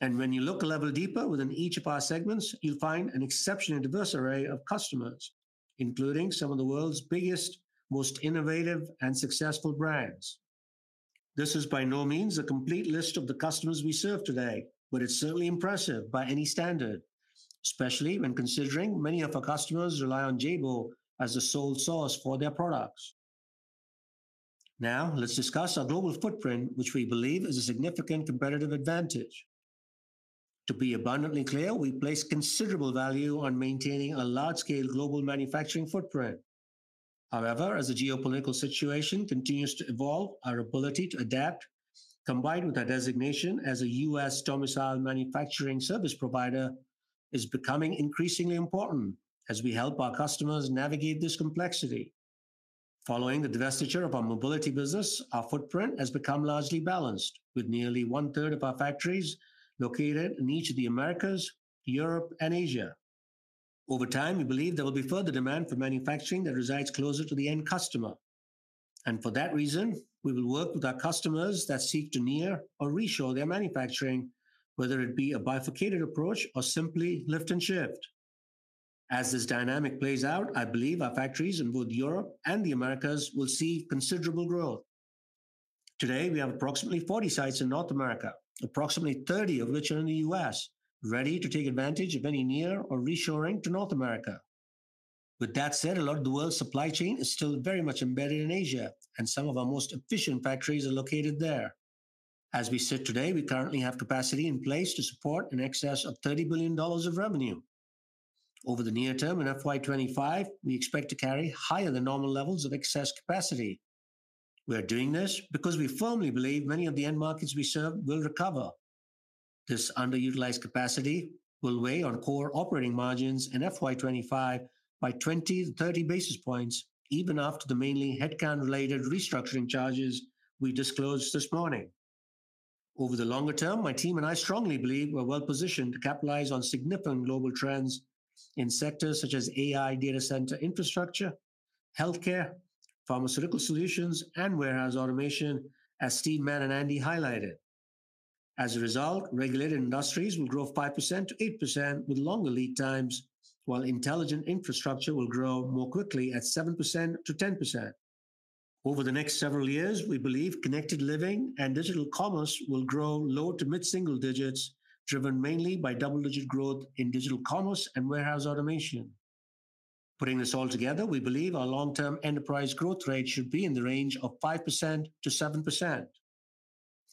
and when you look a level deeper within each of our segments, you'll find an exceptionally diverse array of customers, including some of the world's biggest, most innovative, and successful brands. This is by no means a complete list of the customers we serve today, but it's certainly impressive by any standard, especially when considering many of our customers rely on Jabil as a sole source for their products. Now, let's discuss our global footprint, which we believe is a significant competitive advantage. To be abundantly clear, we place considerable value on maintaining a large-scale global manufacturing footprint. However, as the geopolitical situation continues to evolve, our ability to adapt, combined with our designation as a U.S.-domiciled manufacturing service provider, is becoming increasingly important as we help our customers navigate this complexity. Following the divestiture of our Mobility business, our footprint has become largely balanced, with nearly one-third of our factories located in each of the Americas, Europe, and Asia. Over time, we believe there will be further demand for manufacturing that resides closer to the end customer, and for that reason, we will work with our customers that seek to near or reshore their manufacturing, whether it be a bifurcated approach or simply lift and shift. As this dynamic plays out, I believe our factories in both Europe and the Americas will see considerable growth. Today, we have approximately 40 sites in North America, approximately 30 of which are in the U.S., ready to take advantage of any near or reshoring to North America. With that said, a lot of the world's supply chain is still very much embedded in Asia, and some of our most efficient factories are located there. As we sit today, we currently have capacity in place to support in excess of $30 billion of revenue. Over the near term, in FY 2025, we expect to carry higher-than-normal levels of excess capacity. We are doing this because we firmly believe many of the end markets we serve will recover. This underutilized capacity will weigh on core operating margins in FY 2025 by 20-30 basis points, even after the mainly headcount-related restructuring charges we disclosed this morning. Over the longer term, my team and I strongly believe we're well-positioned to capitalize on significant global trends in sectors such as AI, data center infrastructure, healthcare, pharmaceutical solutions, and warehouse automation, as Steve and Andy highlighted. As a result, Regulated Industries will grow 5% to 8% with longer lead times, while Intelligent Infrastructure will grow more quickly at 7% to 10%. Over the next several years, we believe Connected Living and Digital Commerce will grow low to mid-single digits, driven mainly by double-digit growth in Digital Commerce and warehouse automation. Putting this all together, we believe our long-term enterprise growth rate should be in the range of 5% to 7%.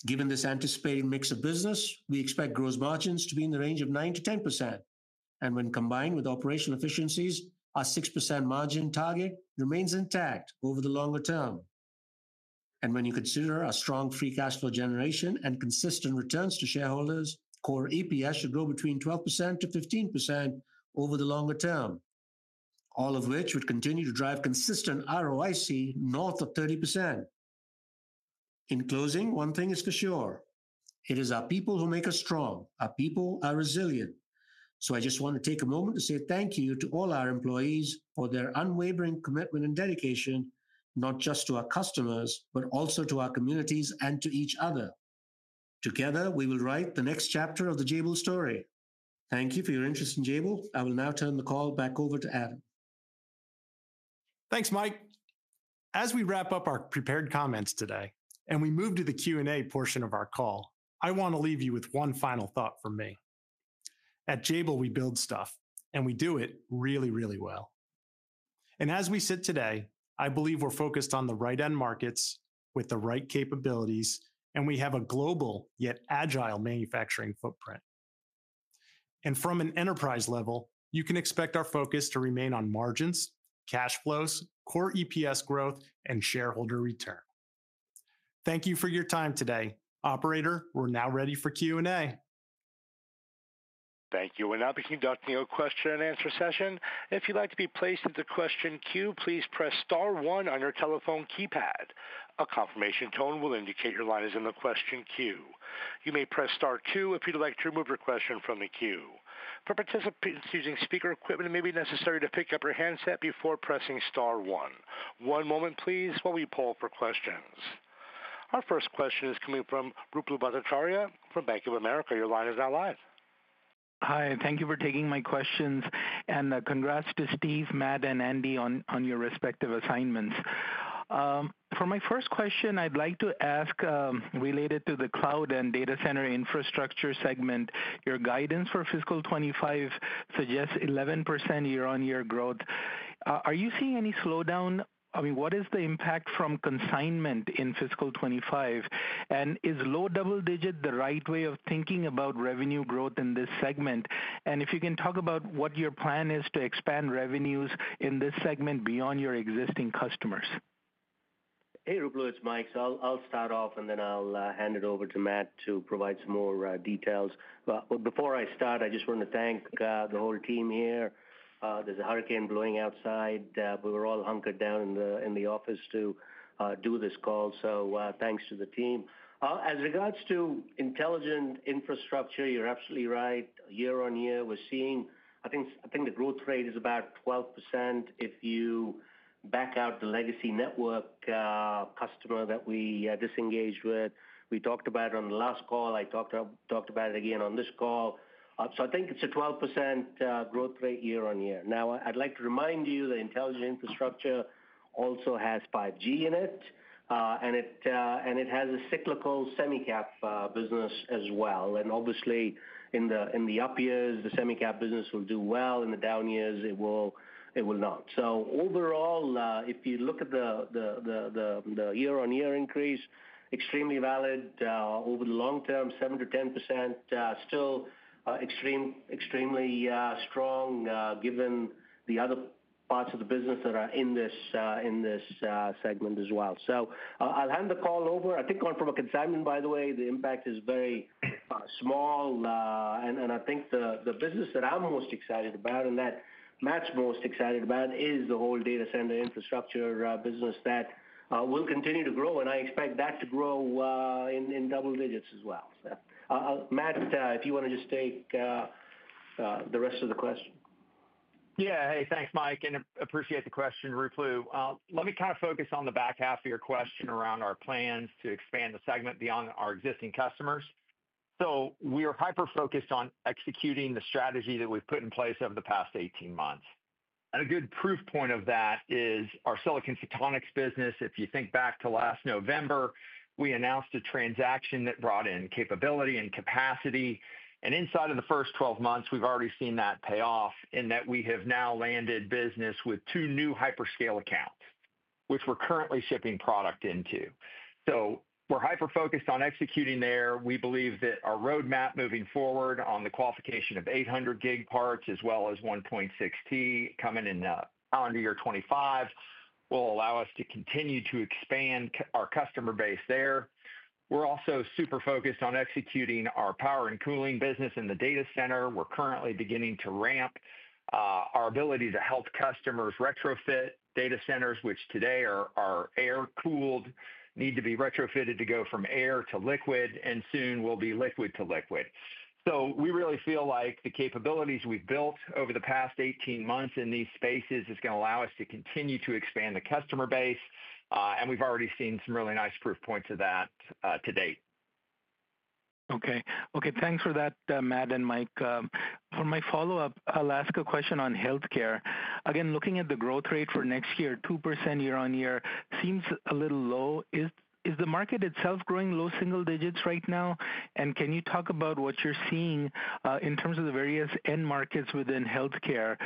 Given this anticipated mix of business, we expect gross margins to be in the range of 9%-10%, and when combined with operational efficiencies, our 6% margin target remains intact over the longer term. And when you consider our strong free cash flow generation and consistent returns to shareholders, core EPS should grow between 12% to 15% over the longer term, all of which would continue to drive consistent ROIC north of 30%. In closing, one thing is for sure, it is our people who make us strong. Our people are resilient. So I just want to take a moment to say thank you to all our employees for their unwavering commitment and dedication, not just to our customers, but also to our communities and to each other. Together, we will write the next chapter of the Jabil story. Thank you for your interest in Jabil. I will now turn the call back over to Adam. Thanks, Mike. As we wrap up our prepared comments today, and we move to the Q&A portion of our call, I want to leave you with one final thought from me. At Jabil, we build stuff, and we do it really, really well. And as we sit today, I believe we're focused on the right end markets with the right capabilities, and we have a global, yet agile manufacturing footprint. And from an enterprise level, you can expect our focus to remain on margins, cash flows, core EPS growth, and shareholder return. Thank you for your time today. Operator, we're now ready for Q&A. Thank you. We'll now be conducting a question-and-answer session. If you'd like to be placed in the question queue, please press star one on your telephone keypad. A confirmation tone will indicate your line is in the question queue. You may press star two if you'd like to remove your question from the queue. For participants using speaker equipment, it may be necessary to pick up your handset before pressing star one. One moment, please, while we poll for questions. Our first question is coming from Ruplu Bhattacharya from Bank of America. Your line is now live. Hi, thank you for taking my questions, and congrats to Steve, Matt, and Andy on your respective assignments. For my first question, I'd like to ask related to the cloud and data center infrastructure segment, your guidance for fiscal 2025 suggests 11% year-on-year growth. Are you seeing any slowdown? I mean, what is the impact from consignment in fiscal 2025? Is low double-digit the right way of thinking about revenue growth in this segment, and if you can talk about what your plan is to expand revenues in this segment beyond your existing customers? Hey, Ruplu, it's Mike. So I'll start off, and then I'll hand it over to Matt to provide some more details. But before I start, I just want to thank the whole team here. There's a hurricane blowing outside, but we're all hunkered down in the office to do this call, so thanks to the team. As regards to Intelligent Infrastructure, you're absolutely right. year-on-year, we're seeing, I think, the growth rate is about 12% if you back out the legacy network customer that we disengaged with. We talked about it on the last call. I talked about it again on this call. So I think it's a 12% growth rate year-on-year. Now, I'd like to remind you that Intelligent Infrastructure also has 5G in it, and it has a cyclical semi-cap business as well. And obviously, in the up years, the semi-cap business will do well, in the down years, it will not. So overall, if you look at the year-on-year increase, extremely valid. Over the long term, 7%-10%, still extremely strong, given the other parts of the business that are in this segment as well. So I'll hand the call over. I think from a consignment, by the way, the impact is very small, and I think the business that I'm most excited about, and that Matt's most excited about, is the whole data center infrastructure business that will continue to grow, and I expect that to grow in double digits as well, so Matt, if you want to just take the rest of the question. Yeah. Hey, thanks, Mike, and appreciate the question, Ruplu. Let me kind of focus on the back half of your question around our plans to expand the segment beyond our existing customers. So we are hyper-focused on executing the strategy that we've put in place over the past 18 months. And a good proof point of that is our silicon photonics business. If you think back to last November, we announced a transaction that brought in capability and capacity, and inside of the first 12 months, we've already seen that pay off in that we have now landed business with 2 new hyperscale accounts, which we're currently shipping product into. So we're hyper-focused on executing there. We believe that our roadmap moving forward on the qualification of 800 gig parts, as well as 1.6T coming in, calendar year 2025, will allow us to continue to expand our customer base there. We're also super focused on executing our power and cooling business in the data center. We're currently beginning to ramp our ability to help customers retrofit data centers, which today are air-cooled, need to be retrofitted to go from air to liquid, and soon will be liquid to liquid. We really feel like the capabilities we've built over the past eighteen months in these spaces is gonna allow us to continue to expand the customer base, and we've already seen some really nice proof points of that, to date. Okay. Okay, thanks for that, Matt and Mike. For my follow-up, I'll ask a question on healthcare. Again, looking at the growth rate for next year, 2% year-on-year seems a little low. Is the market itself growing low single digits right now? And can you talk about what you're seeing in terms of the various end markets within healthcare?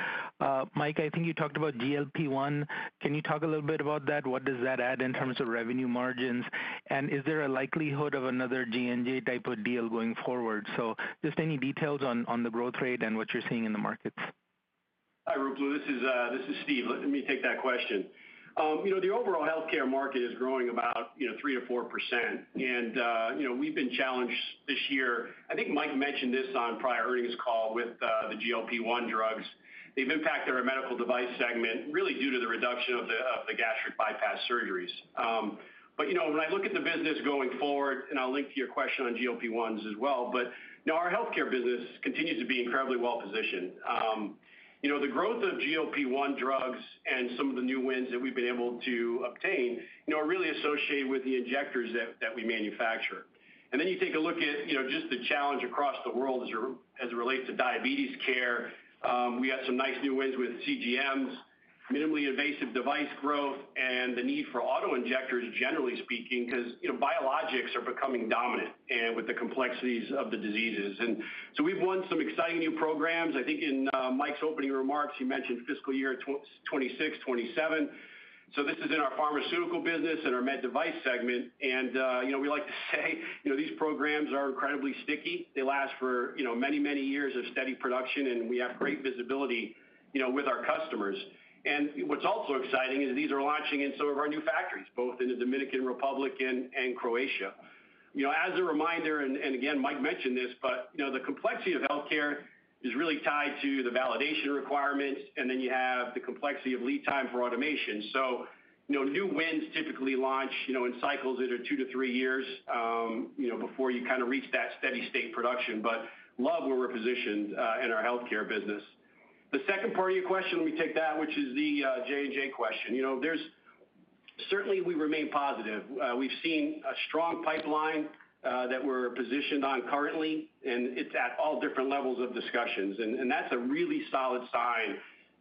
Mike, I think you talked about GLP-1. Can you talk a little bit about that? What does that add in terms of revenue margins, and is there a likelihood of another J&J-type of deal going forward? So just any details on the growth rate and what you're seeing in the markets. Hi, Ruplu, this is Steve. Let me take that question. You know, the overall healthcare market is growing about 3%-4%, and you know, we've been challenged this year. I think Mike mentioned this on prior earnings call with the GLP-1 drugs. They've impacted our medical device segment, really due to the reduction of the gastric bypass surgeries. But you know, when I look at the business going forward, and I'll link to your question on GLP-1s as well, but you know, our healthcare business continues to be incredibly well-positioned. You know, the growth of GLP-1 drugs and some of the new wins that we've been able to obtain you know, are really associated with the injectors that we manufacture. And then you take a look at, you know, just the challenge across the world as it relates to diabetes care. We got some nice new wins with CGMs, minimally invasive device growth, and the need for auto-injectors, generally speaking, 'cause, you know, biologics are becoming dominant, and with the complexities of the diseases. And so we've won some exciting new programs. I think in Mike's opening remarks, he mentioned fiscal year 2026, 2027. So this is in our pharmaceutical business and our med device segment, and, you know, we like to say, you know, these programs are incredibly sticky. They last for, you know, many, many years of steady production, and we have great visibility, you know, with our customers. And what's also exciting is these are launching in some of our new factories, both in the Dominican Republic and Croatia. You know, as a reminder, and again, Mike mentioned this, but, you know, the complexity of healthcare is really tied to the validation requirements, and then you have the complexity of lead time for automation. So you know, new wins typically launch, you know, in cycles that are two to three years, you know, before you kind of reach that steady state production, but love where we're positioned in our healthcare business. The second part of your question, let me take that, which is the J&J question. You know, there's certainly we remain positive. We've seen a strong pipeline that we're positioned on currently, and it's at all different levels of discussions. And that's a really solid sign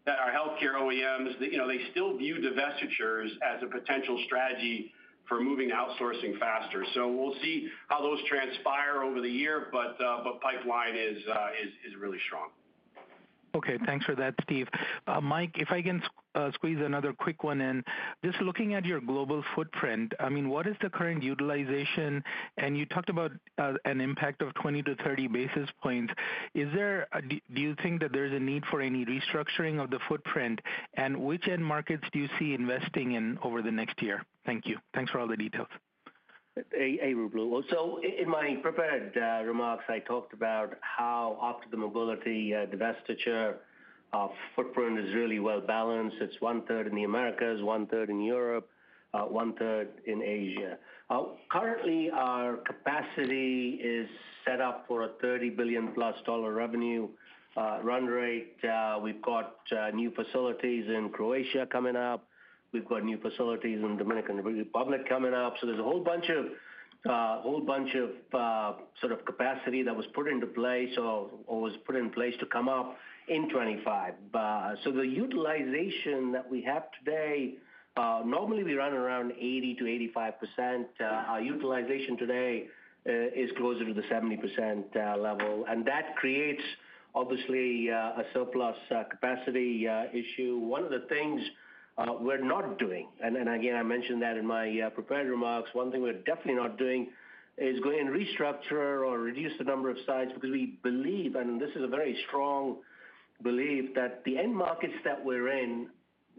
that our healthcare OEMs, you know, they still view divestitures as a potential strategy for moving outsourcing faster. So we'll see how those transpire over the year, but pipeline is really strong. Okay, thanks for that, Steve. Mike, if I can squeeze another quick one in. Just looking at your global footprint, I mean, what is the current utilization? And you talked about an impact of 20-30 basis points. Do you think that there's a need for any restructuring of the footprint? And which end markets do you see investing in over the next year? Thank you. Thanks for all the details. Ruplu. So in my prepared remarks, I talked about how after the Mobility divestiture, our footprint is really well-balanced. It's one third in the Americas, one third in Europe, one third in Asia. Currently, our capacity is set up for a $30 billion-plus revenue run rate. We've got new facilities in Croatia coming up. We've got new facilities in the Dominican Republic coming up. So there's a whole bunch of sort of capacity that was put into place or was put in place to come up in 2025. But so the utilization that we have today, normally we run around 80%-85%. Our utilization today is closer to the 70% level, and that creates obviously a surplus capacity issue. One of the things we're not doing, and again, I mentioned that in my prepared remarks, one thing we're definitely not doing is go in and restructure or reduce the number of sites because we believe, and this is a very strong belief, that the end markets that we're in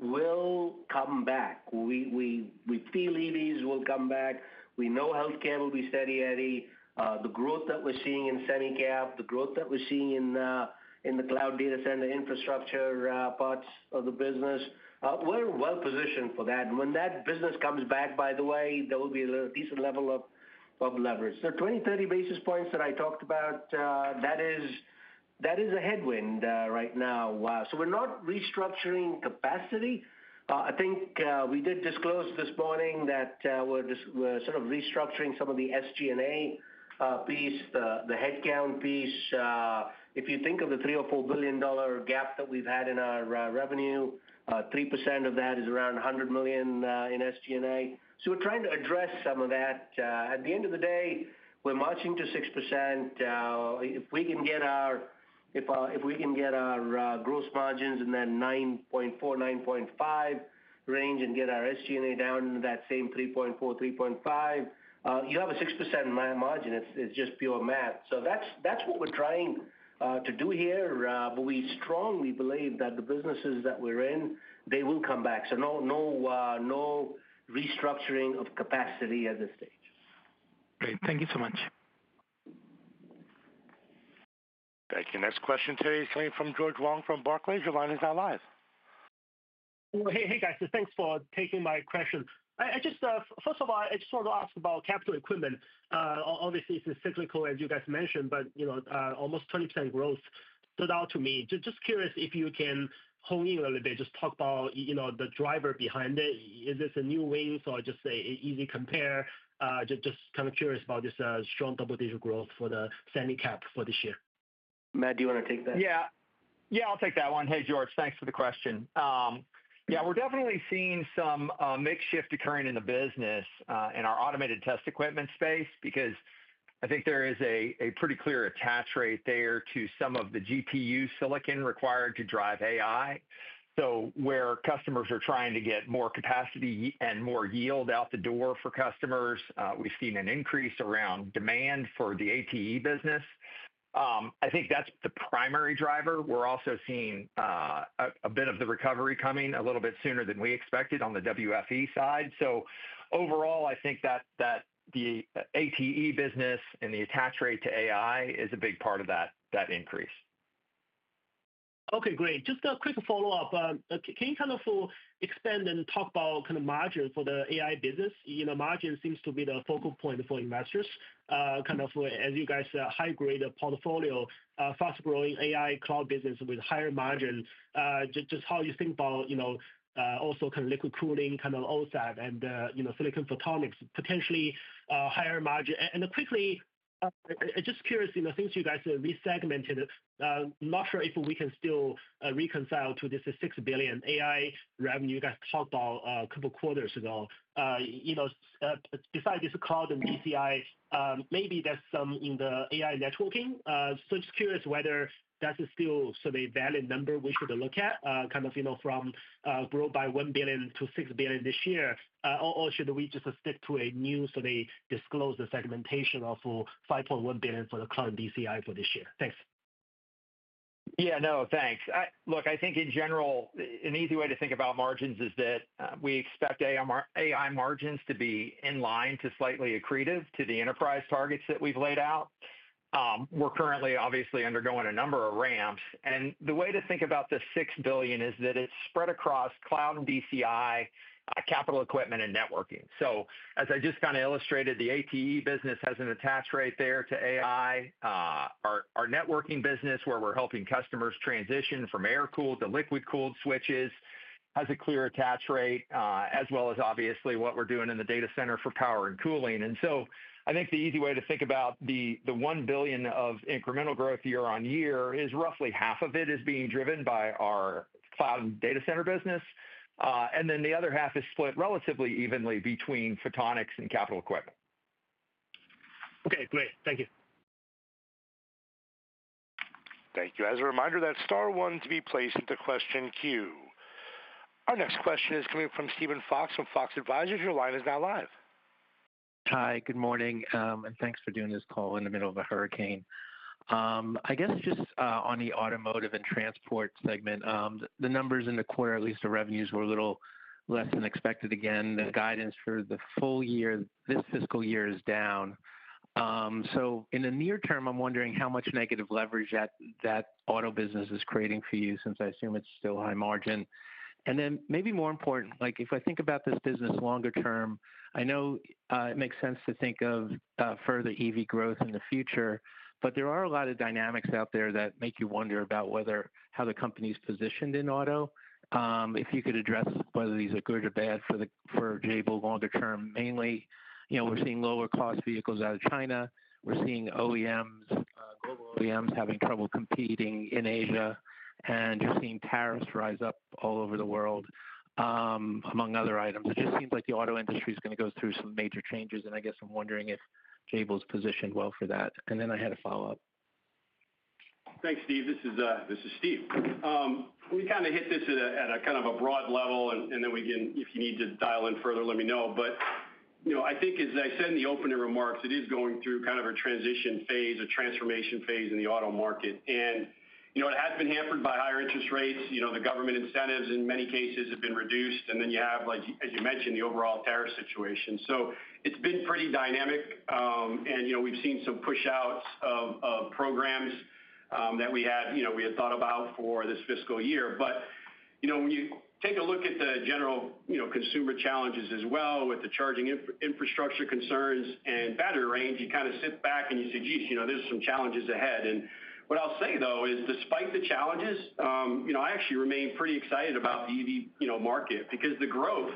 will come back. We feel EVs will come back. We know healthcare will be steady Eddie. The growth that we're seeing in semi-cap, the growth that we're seeing in the cloud data center infrastructure, parts of the business, we're well-positioned for that. When that business comes back, by the way, there will be a decent level of leverage. The 20, 30 basis points that I talked about, that is a headwind right now. So we're not restructuring capacity. I think we did disclose this morning that we're just, we're sort of restructuring some of the SG&A piece, the headcount piece. If you think of the $3 billion-$4 billion gap that we've had in our revenue, 3% of that is around $100 million in SG&A. So we're trying to address some of that. At the end of the day, we're marching to 6%. If we can get our gross margins in that 9.4%-9.5% range and get our SG&A down into that same 3.4%-3.5%, you have a 6% margin. It's just pure math. So that's what we're trying to do here, but we strongly believe that the businesses that we're in will come back. So no, no restructuring of capacity at this stage. Great. Thank you so much. Thank you. The next question today is coming from George Wang from Barclays. Your line is now live. Hey, hey, guys, so thanks for taking my question. I just... First of all, I just want to ask about capital equipment. Obviously, it's cyclical, as you guys mentioned, but, you know, almost 20% growth stood out to me. Just curious if you can hone in a little bit, just talk about, you know, the driver behind it. Is this a new wave or just a easy compare? Just kind of curious about this, strong double-digit growth for the semi-cap for this year. Matt, do you want to take that? Yeah. Yeah, I'll take that one. Hey, George. Thanks for the question. Yeah, we're definitely seeing some mix shift occurring in the business in our automated test equipment space, because I think there is a pretty clear attach rate there to some of the GPU silicon required to drive AI. So where customers are trying to get more capacity and more yield out the door for customers, we've seen an increase around demand for the ATE business. I think that's the primary driver. We're also seeing a bit of the recovery coming a little bit sooner than we expected on the WFE side. So overall, I think that the ATE business and the attach rate to AI is a big part of that increase. Okay, great. Just a quick follow-up. Can you kind of expand and talk about kind of margin for the AI business? You know, margin seems to be the focal point for investors. Kind of, as you guys high-grade portfolio, fast-growing AI cloud business with higher margins. Just how you think about, you know, also kind of liquid cooling, kind of OSAT and, you know, silicon photonics, potentially, higher margin. And quickly, just curious, you know, since you guys resegmented, I'm not sure if we can still reconcile to this $6 billion AI revenue you guys talked about a couple of quarters ago. You know, besides this cloud and DCI, maybe there's some in the AI networking. So just curious whether that is still sort of a valid number we should look at, kind of, you know, from grow by $1 billion to $6 billion this year. Or should we just stick to a new so they disclose the segmentation of $5.1 billion for the cloud DCI for this year? Thanks. Yeah, no, thanks. Look, I think in general, an easy way to think about margins is that we expect our AI margins to be in line to slightly accretive to the enterprise targets that we've laid out. We're currently obviously undergoing a number of ramps, and the way to think about this $6 billion is that it's spread across cloud and DCI, capital equipment, and networking. So as I just kind of illustrated, the ATE business has an attach rate there to AI. Our networking business, where we're helping customers transition from air-cooled to liquid-cooled switches, has a clear attach rate, as well as obviously what we're doing in the data center for power and cooling. So I think the easy way to think about the $1 billion of incremental growth year-on-year is roughly half of it is being driven by our cloud data center business, and then the other half is split relatively evenly between photonics and capital equipment. Okay, great. Thank you. Thank you. As a reminder, that's star one to be placed at the question queue. Our next question is coming from Steven Fox from Fox Advisors. Your line is now live. Hi, good morning, and thanks for doing this call in the middle of a hurricane. I guess just on the automotive and transport segment, the numbers in the quarter, at least the revenues, were a little less than expected again. The guidance for the full year, this fiscal year is down. So in the near term, I'm wondering how much negative leverage that auto business is creating for you, since I assume it's still high margin. And then maybe more important, like, if I think about this business longer term, I know, it makes sense to think of further EV growth in the future, but there are a lot of dynamics out there that make you wonder about whether, how the company's positioned in auto. If you could address whether these are good or bad for Jabil longer term. Mainly, you know, we're seeing lower cost vehicles out of China. We're seeing OEMs, global OEMs, having trouble competing in Asia, and you're seeing tariffs rise up all over the world, among other items. It just seems like the auto industry is going to go through some major changes, and I guess I'm wondering if Jabil's positioned well for that. And then I had a follow-up. Thanks, Steve. This is Steve. We kind of hit this at a broad level, and then we can, if you need to dial in further, let me know. But you know, I think as I said in the opening remarks, it is going through kind of a transition phase, a transformation phase in the auto market. And you know, it has been hampered by higher interest rates. You know, the government incentives in many cases have been reduced, and then you have, like, as you mentioned, the overall tariff situation. So it's been pretty dynamic, and you know, we've seen some pushouts of programs that we had you know thought about for this fiscal year. But, you know, when you take a look at the general, you know, consumer challenges as well, with the charging infrastructure concerns and battery range, you kind of sit back and you say, "Geez, you know, there's some challenges ahead." And what I'll say, though, is despite the challenges, you know, I actually remain pretty excited about the EV, you know, market. Because the growth,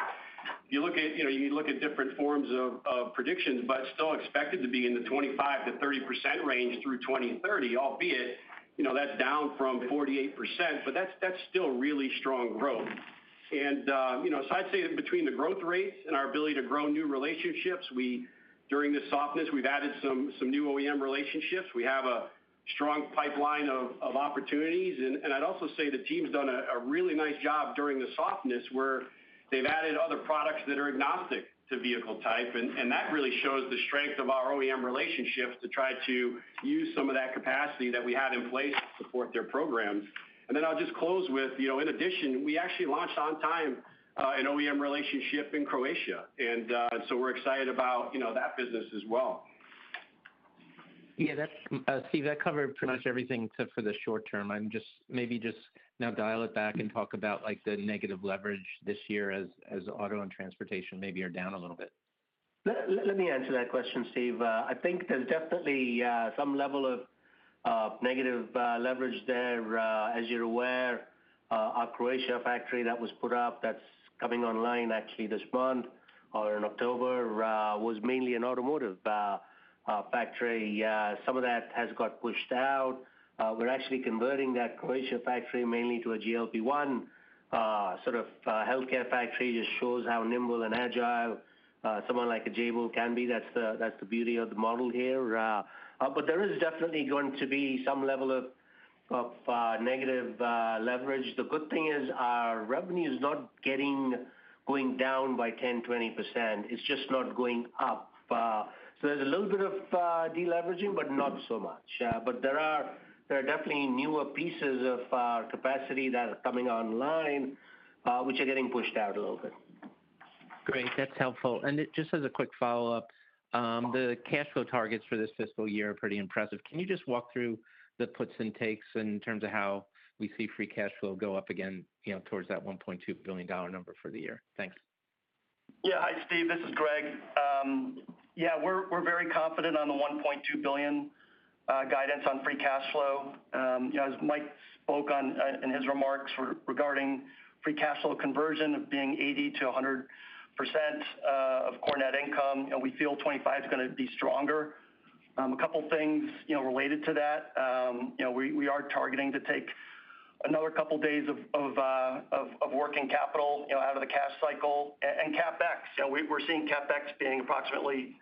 you look at, you know, you look at different forms of predictions, but still expected to be in the 25%-30% range through 2030, albeit, you know, that's down from 48%, but that's still really strong growth. And, you know, so I'd say that between the growth rates and our ability to grow new relationships, we, during this softness, we've added some new OEM relationships. We have a strong pipeline of opportunities. I'd also say the team's done a really nice job during the softness, where they've added other products that are agnostic to vehicle type. That really shows the strength of our OEM relationships to try to use some of that capacity that we had in place to support their programs. I'll just close with, you know, in addition, we actually launched on time an OEM relationship in Croatia, and so we're excited about, you know, that business as well. Yeah, that's Steve, that covered pretty much everything except for the short term. I'm just maybe now dial it back and talk about, like, the negative leverage this year as auto and transportation maybe are down a little bit. Let me answer that question, Steve. I think there's definitely some level of negative leverage there. As you're aware, our Croatia factory that was put up, that's coming online actually this month or in October, was mainly an automotive factory. Some of that has got pushed out. We're actually converting that Croatia factory mainly to a GLP-1 sort of healthcare factory. Just shows how nimble and agile-... someone like a Jabil can be. That's the beauty of the model here. But there is definitely going to be some level of negative leverage. The good thing is our revenue is not going down by 10%-20%. It's just not going up. So there's a little bit of deleveraging, but not so much. But there are definitely newer pieces of capacity that are coming online, which are getting pushed out a little bit. Great. That's helpful. And just as a quick follow-up, the cash flow targets for this fiscal year are pretty impressive. Can you just walk through the puts and takes in terms of how we see free cash flow go up again, you know, towards that $1.2 billion number for the year? Thanks. Yeah. Hi, Steve, this is Greg. Yeah, we're very confident on the $1.2 billion guidance on free cash flow. You know, as Mike spoke on in his remarks regarding free cash flow conversion of being 80% to 100% of core net income, and we feel 2025 is gonna be stronger. A couple things, you know, related to that. You know, we are targeting to take another couple of days of working capital, you know, out of the cash cycle and CapEx. You know, we're seeing CapEx being approximately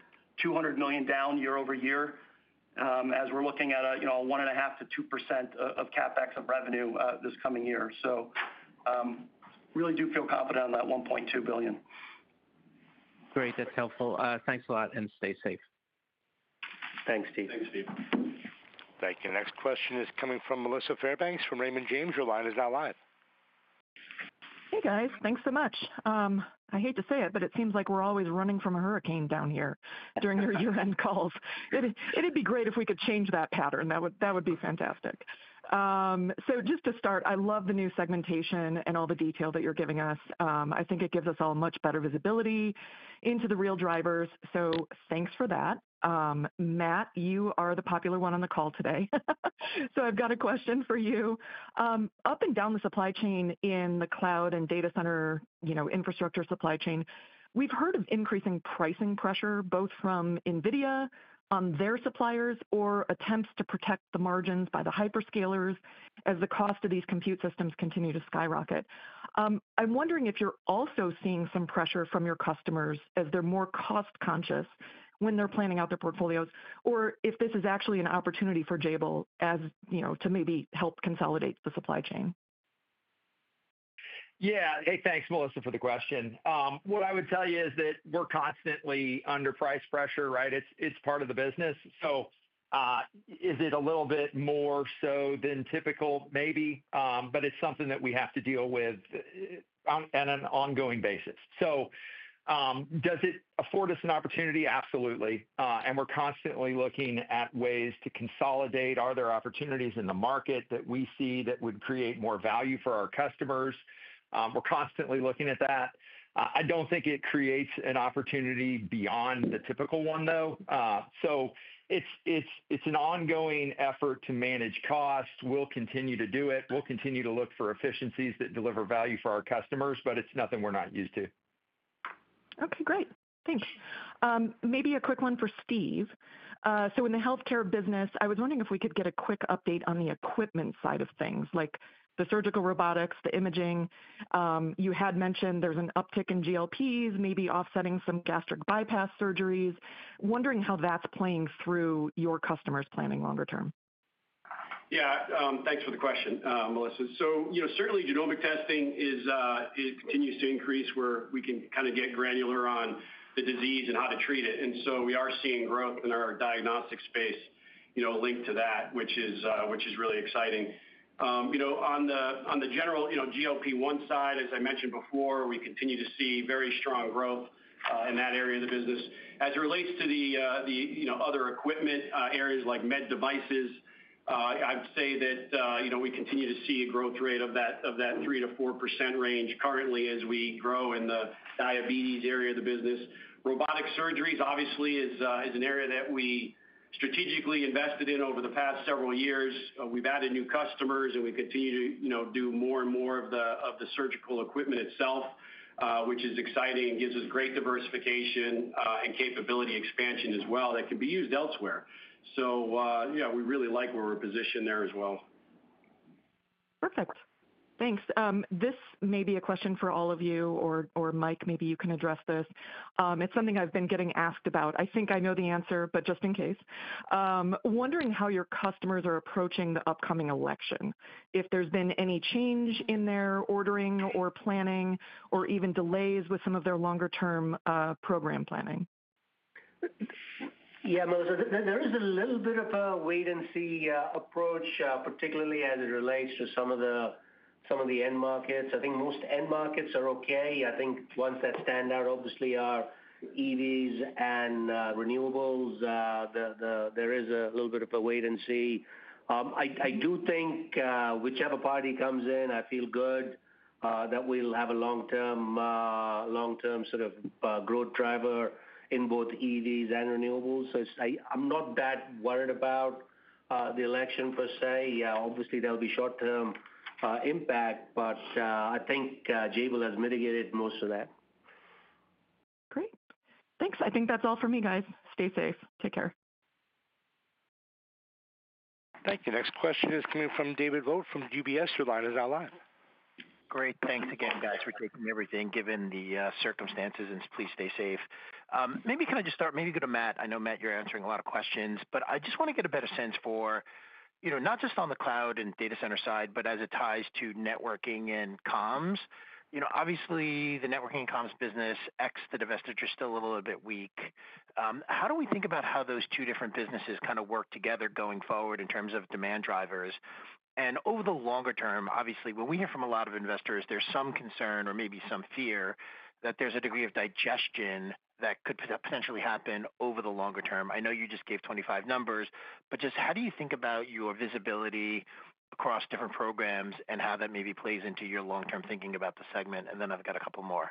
$200 million down year-over-year, as we're looking at a 1.5%-2% of CapEx of revenue this coming year. So, really do feel confident on that $1.2 billion. Great. That's helpful. Thanks a lot, and stay safe. Thanks, Steve. Thanks, Steve. Thank you. Next question is coming from Melissa Fairbanks, from Raymond James. Your line is now live. Hey, guys. Thanks so much. I hate to say it, but it seems like we're always running from a hurricane down here during your year-end calls. It'd be great if we could change that pattern. That would be fantastic. So just to start, I love the new segmentation and all the detail that you're giving us. I think it gives us all much better visibility into the real drivers, so thanks for that. Matt, you are the popular one on the call today, so I've got a question for you. Up and down the supply chain in the cloud and data center, you know, infrastructure supply chain, we've heard of increasing pricing pressure, both from NVIDIA on their suppliers or attempts to protect the margins by the hyperscalers as the cost of these compute systems continue to skyrocket. I'm wondering if you're also seeing some pressure from your customers as they're more cost-conscious when they're planning out their portfolios, or if this is actually an opportunity for Jabil, as you know, to maybe help consolidate the supply chain? Yeah. Hey, thanks, Melissa, for the question. What I would tell you is that we're constantly under price pressure, right? It's part of the business, so is it a little bit more so than typical? Maybe, but it's something that we have to deal with on an ongoing basis, so does it afford us an opportunity? Absolutely, and we're constantly looking at ways to consolidate. Are there opportunities in the market that we see that would create more value for our customers? We're constantly looking at that. I don't think it creates an opportunity beyond the typical one, though, so it's an ongoing effort to manage costs. We'll continue to do it. We'll continue to look for efficiencies that deliver value for our customers, but it's nothing we're not used to. Okay, great. Thanks. Maybe a quick one for Steve. So in the healthcare business, I was wondering if we could get a quick update on the equipment side of things, like the surgical robotics, the imaging. You had mentioned there's an uptick in GLPs, maybe offsetting some gastric bypass surgeries. Wondering how that's playing through your customers' planning longer term. Yeah. Thanks for the question, Melissa. So, you know, certainly genomic testing is, it continues to increase where we can kind of get granular on the disease and how to treat it. And so we are seeing growth in our diagnostic space, you know, linked to that, which is really exciting. You know, on the general, GLP-1 side, as I mentioned before, we continue to see very strong growth in that area of the business. As it relates to the, you know, other equipment, areas like med devices, I'd say that, you know, we continue to see a growth rate of that 3-4% range currently as we grow in the diabetes area of the business. Robotic surgeries, obviously is an area that we strategically invested in over the past several years. We've added new customers, and we continue to, you know, do more and more of the surgical equipment itself, which is exciting and gives us great diversification, and capability expansion as well that can be used elsewhere. So, yeah, we really like where we're positioned there as well. Perfect. Thanks. This may be a question for all of you, or Mike, maybe you can address this. It's something I've been getting asked about. I think I know the answer, but just in case. Wondering how your customers are approaching the upcoming election, if there's been any change in their ordering or planning, or even delays with some of their longer-term program planning? Yeah, Melissa, there is a little bit of a wait-and-see approach, particularly as it relates to some of the end markets. I think most end markets are okay. I think ones that stand out, obviously, are EVs and renewables. There is a little bit of a wait and see. I do think, whichever party comes in, I feel good that we'll have a long-term growth driver in both EVs and renewables. So I'm not that worried about the election per se. Yeah, obviously there'll be short-term impact, but I think Jabil has mitigated most of that. Great. Thanks. I think that's all for me, guys. Stay safe. Take care. Thank you. Next question is coming from David Vogt from UBS. Your line is now live. Great. Thanks again, guys, for taking everything, given the circumstances, and please stay safe. Maybe can I just start, maybe go to Matt? I know, Matt, you're answering a lot of questions, but I just want to get a better sense for, you know, not just on the cloud and data center side, but as it ties to networking and comms. You know, obviously, the networking comms business, ex the divestiture, is still a little bit weak. How do we think about how those two different businesses kind of work together going forward in terms of demand drivers? And over the longer term, obviously, what we hear from a lot of investors, there's some concern or maybe some fear that there's a degree of digestion that could potentially happen over the longer term. I know you just gave 25 numbers, but just how do you think about your visibility across different programs and how that maybe plays into your long-term thinking about the segment? And then I've got a couple more.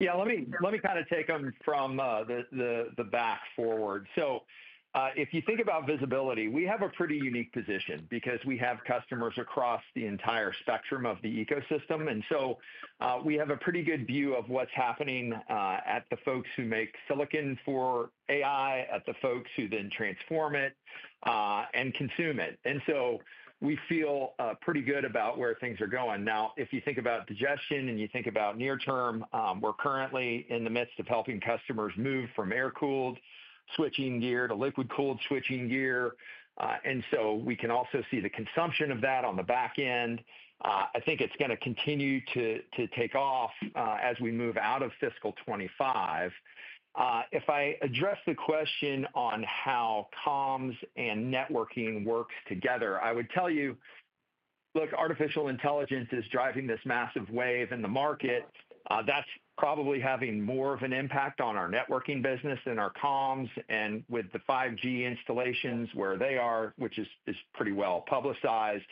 Yeah, let me, let me kind of take them from, the back forward. So, if you think about visibility, we have a pretty unique position because we have customers across the entire spectrum of the ecosystem, and so, we have a pretty good view of what's happening, at the folks who make silicon for AI, at the folks who then transform it, and consume it. And so we feel, pretty good about where things are going. Now, if you think about digestion and you think about near term, we're currently in the midst of helping customers move from air-cooled switching gear to liquid-cooled switching gear. And so we can also see the consumption of that on the back end. I think it's gonna continue to, to take off, as we move out of fiscal 2025. If I address the question on how comms and networking works together, I would tell you, look, artificial intelligence is driving this massive wave in the market. That's probably having more of an impact on our networking business than our comms and with the 5G installations where they are, which is pretty well publicized.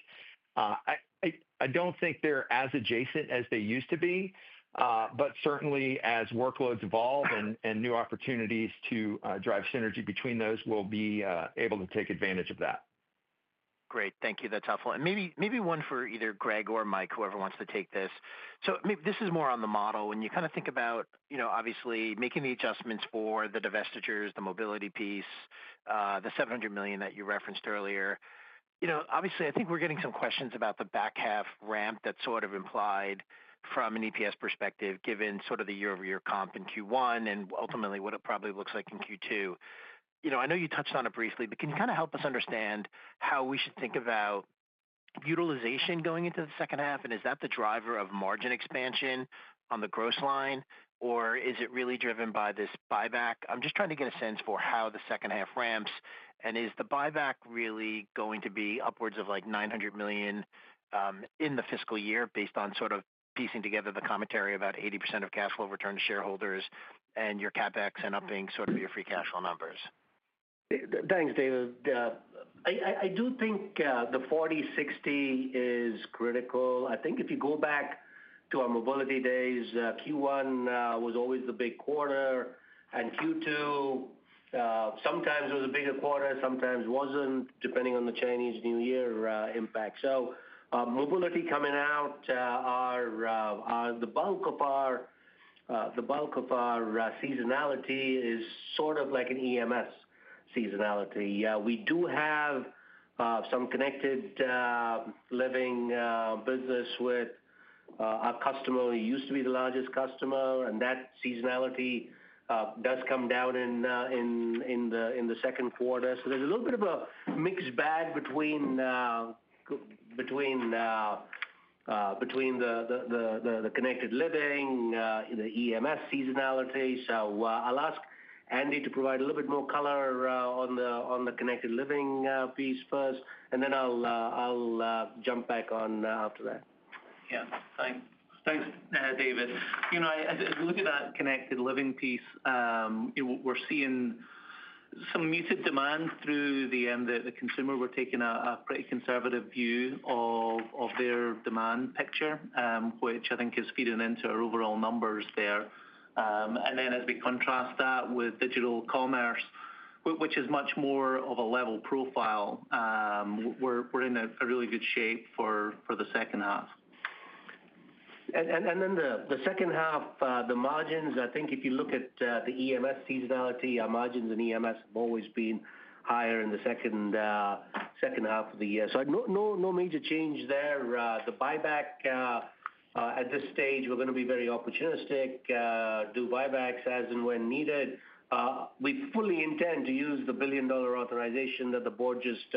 I don't think they're as adjacent as they used to be, but certainly as workloads evolve and new opportunities to drive synergy between those, we'll be able to take advantage of that. Great. Thank you. That's helpful. And maybe one for either Greg or Mike, whoever wants to take this. So this is more on the model. When you kind of think about, you know, obviously making the adjustments for the divestitures, the Mobility piece, the $700 million that you referenced earlier, you know, obviously, I think we're getting some questions about the back half ramp that sort of implied from an EPS perspective, given sort of the year-over-year comp in Q1, and ultimately, what it probably looks like in Q2. You know, I know you touched on it briefly, but can you kind of help us understand how we should think about utilization going into the second half? And is that the driver of margin expansion on the gross line, or is it really driven by this buyback? I'm just trying to get a sense for how the second half ramps, and is the buyback really going to be upwards of, like, $900 million in the fiscal year based on sort of piecing together the commentary about 80% of cash flow return to shareholders and your CapEx and upping sort of your free cash flow numbers? Thanks, David. I do think the 40/60 is critical. I think if you go back to our Mobility days, Q1 was always the big quarter, and Q2 sometimes it was a bigger quarter, sometimes it wasn't, depending on the Chinese New Year impact. So, Mobility coming out, the bulk of our seasonality is sort of like an EMS seasonality. We do have some Connected Living business with our customer, who used to be the largest customer, and that seasonality does come down in the second quarter. So there's a little bit of a mixed bag between the Connected Living, the EMS seasonality. I'll ask Andy to provide a little bit more color on the Connected Living piece first, and then I'll jump back on after that. Yeah. Thanks. Thanks, David. You know, as I look at that Connected Living piece, we're seeing some muted demand through the end. The consumer, we're taking a pretty conservative view of their demand picture, which I think is feeding into our overall numbers there. And then as we contrast that with Digital Commerce, which is much more of a level profile, we're in a really good shape for the second half. Then the second half, the margins. I think if you look at the EMS seasonality, our margins in EMS have always been higher in the second half of the year. So no major change there. The buyback, at this stage, we're going to be very opportunistic, do buybacks as and when needed. We fully intend to use the $1 billion authorization that the board just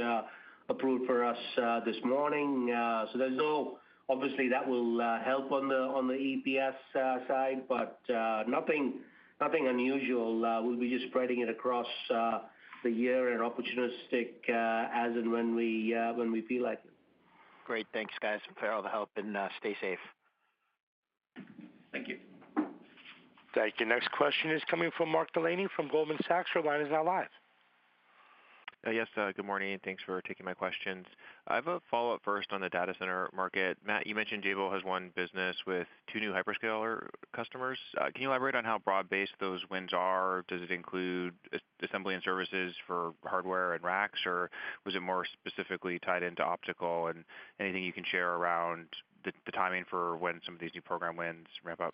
approved for us this morning. So there's no, obviously, that will help on the EPS side, but nothing unusual. We'll be just spreading it across the year and opportunistic, as and when we feel like it. Great. Thanks, guys, for all the help, and stay safe. Thank you. Thank you. Next question is coming from Mark Delaney from Goldman Sachs. Your line is now live. Yes, good morning, and thanks for taking my questions. I have a follow-up first on the data center market. Matt, you mentioned Jabil has won business with two new hyperscaler customers. Can you elaborate on how broad-based those wins are? Does it include assembly and services for hardware and racks, or was it more specifically tied into optical? And anything you can share around the timing for when some of these new program wins ramp up?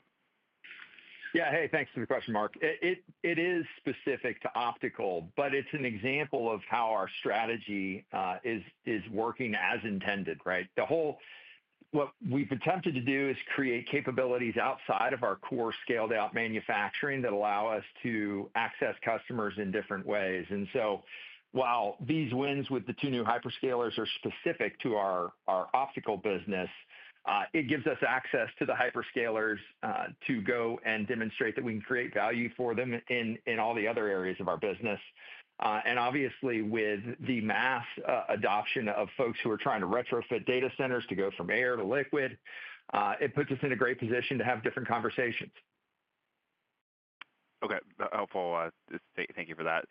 Yeah. Hey, thanks for the question, Mark. It is specific to optical, but it's an example of how our strategy is working as intended, right? What we've attempted to do is create capabilities outside of our core scaled-out manufacturing that allow us to access customers in different ways. And so while these wins with the two new hyperscalers are specific to our optical business, it gives us access to the hyperscalers to go and demonstrate that we can create value for them in all the other areas of our business. And obviously, with the mass adoption of folks who are trying to retrofit data centers to go from air to liquid, it puts us in a great position to have different conversations. Okay. Helpful. Thank you for that.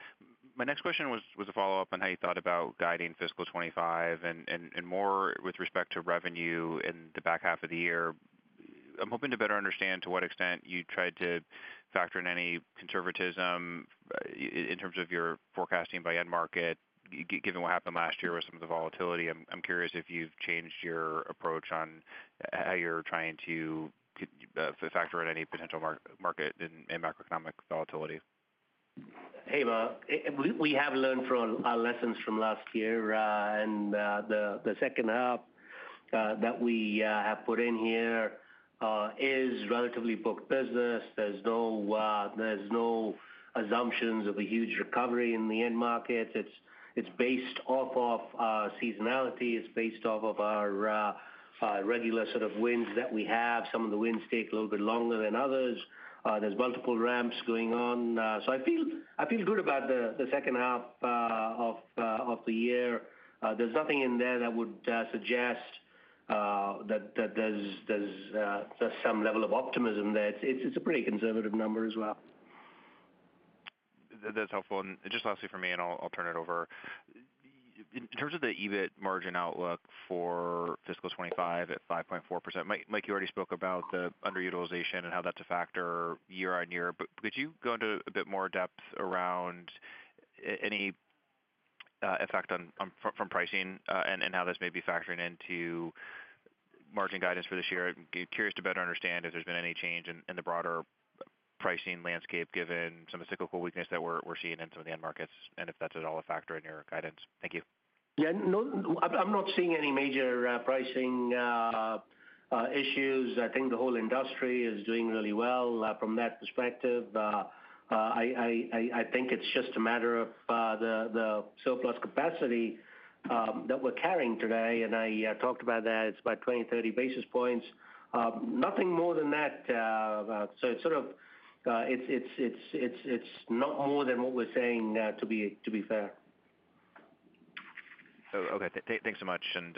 My next question was a follow-up on how you thought about guiding fiscal 2025, and more with respect to revenue in the back half of the year. I'm hoping to better understand to what extent you tried to factor in any conservatism in terms of your forecasting by end market. Given what happened last year with some of the volatility, I'm curious if you've changed your approach on how you're trying to factor in any potential market and macroeconomic volatility. Hey, Mark. We have learned from our lessons from last year, and the second half that we have put in here is relatively booked business. There's no assumptions of a huge recovery in the end market. It's based off of seasonality, it's based off of our regular sort of wins that we have. Some of the wins take a little bit longer than others. There's multiple ramps going on. So I feel good about the second half of the year. There's nothing in there that would suggest that there's some level of optimism there. It's a pretty conservative number as well. That's helpful. And just lastly, for me, and I'll turn it over. In terms of the EBIT margin outlook for fiscal 25 at 5.4%, Mike, you already spoke about the underutilization and how that's a factor year-on-year, but could you go into a bit more depth around any effect on, from pricing, and how this may be factoring into margin guidance for this year? I'm curious to better understand if there's been any change in the broader pricing landscape, given some of the cyclical weakness that we're seeing in some of the end markets, and if that's at all a factor in your guidance. Thank you. Yeah. No, I'm not seeing any major pricing issues. I think the whole industry is doing really well from that perspective. I think it's just a matter of the surplus capacity that we're carrying today, and I talked about that. It's about 20-30 basis points. Nothing more than that, so it's sort of not more than what we're saying to be fair. Oh, okay. Thanks so much, and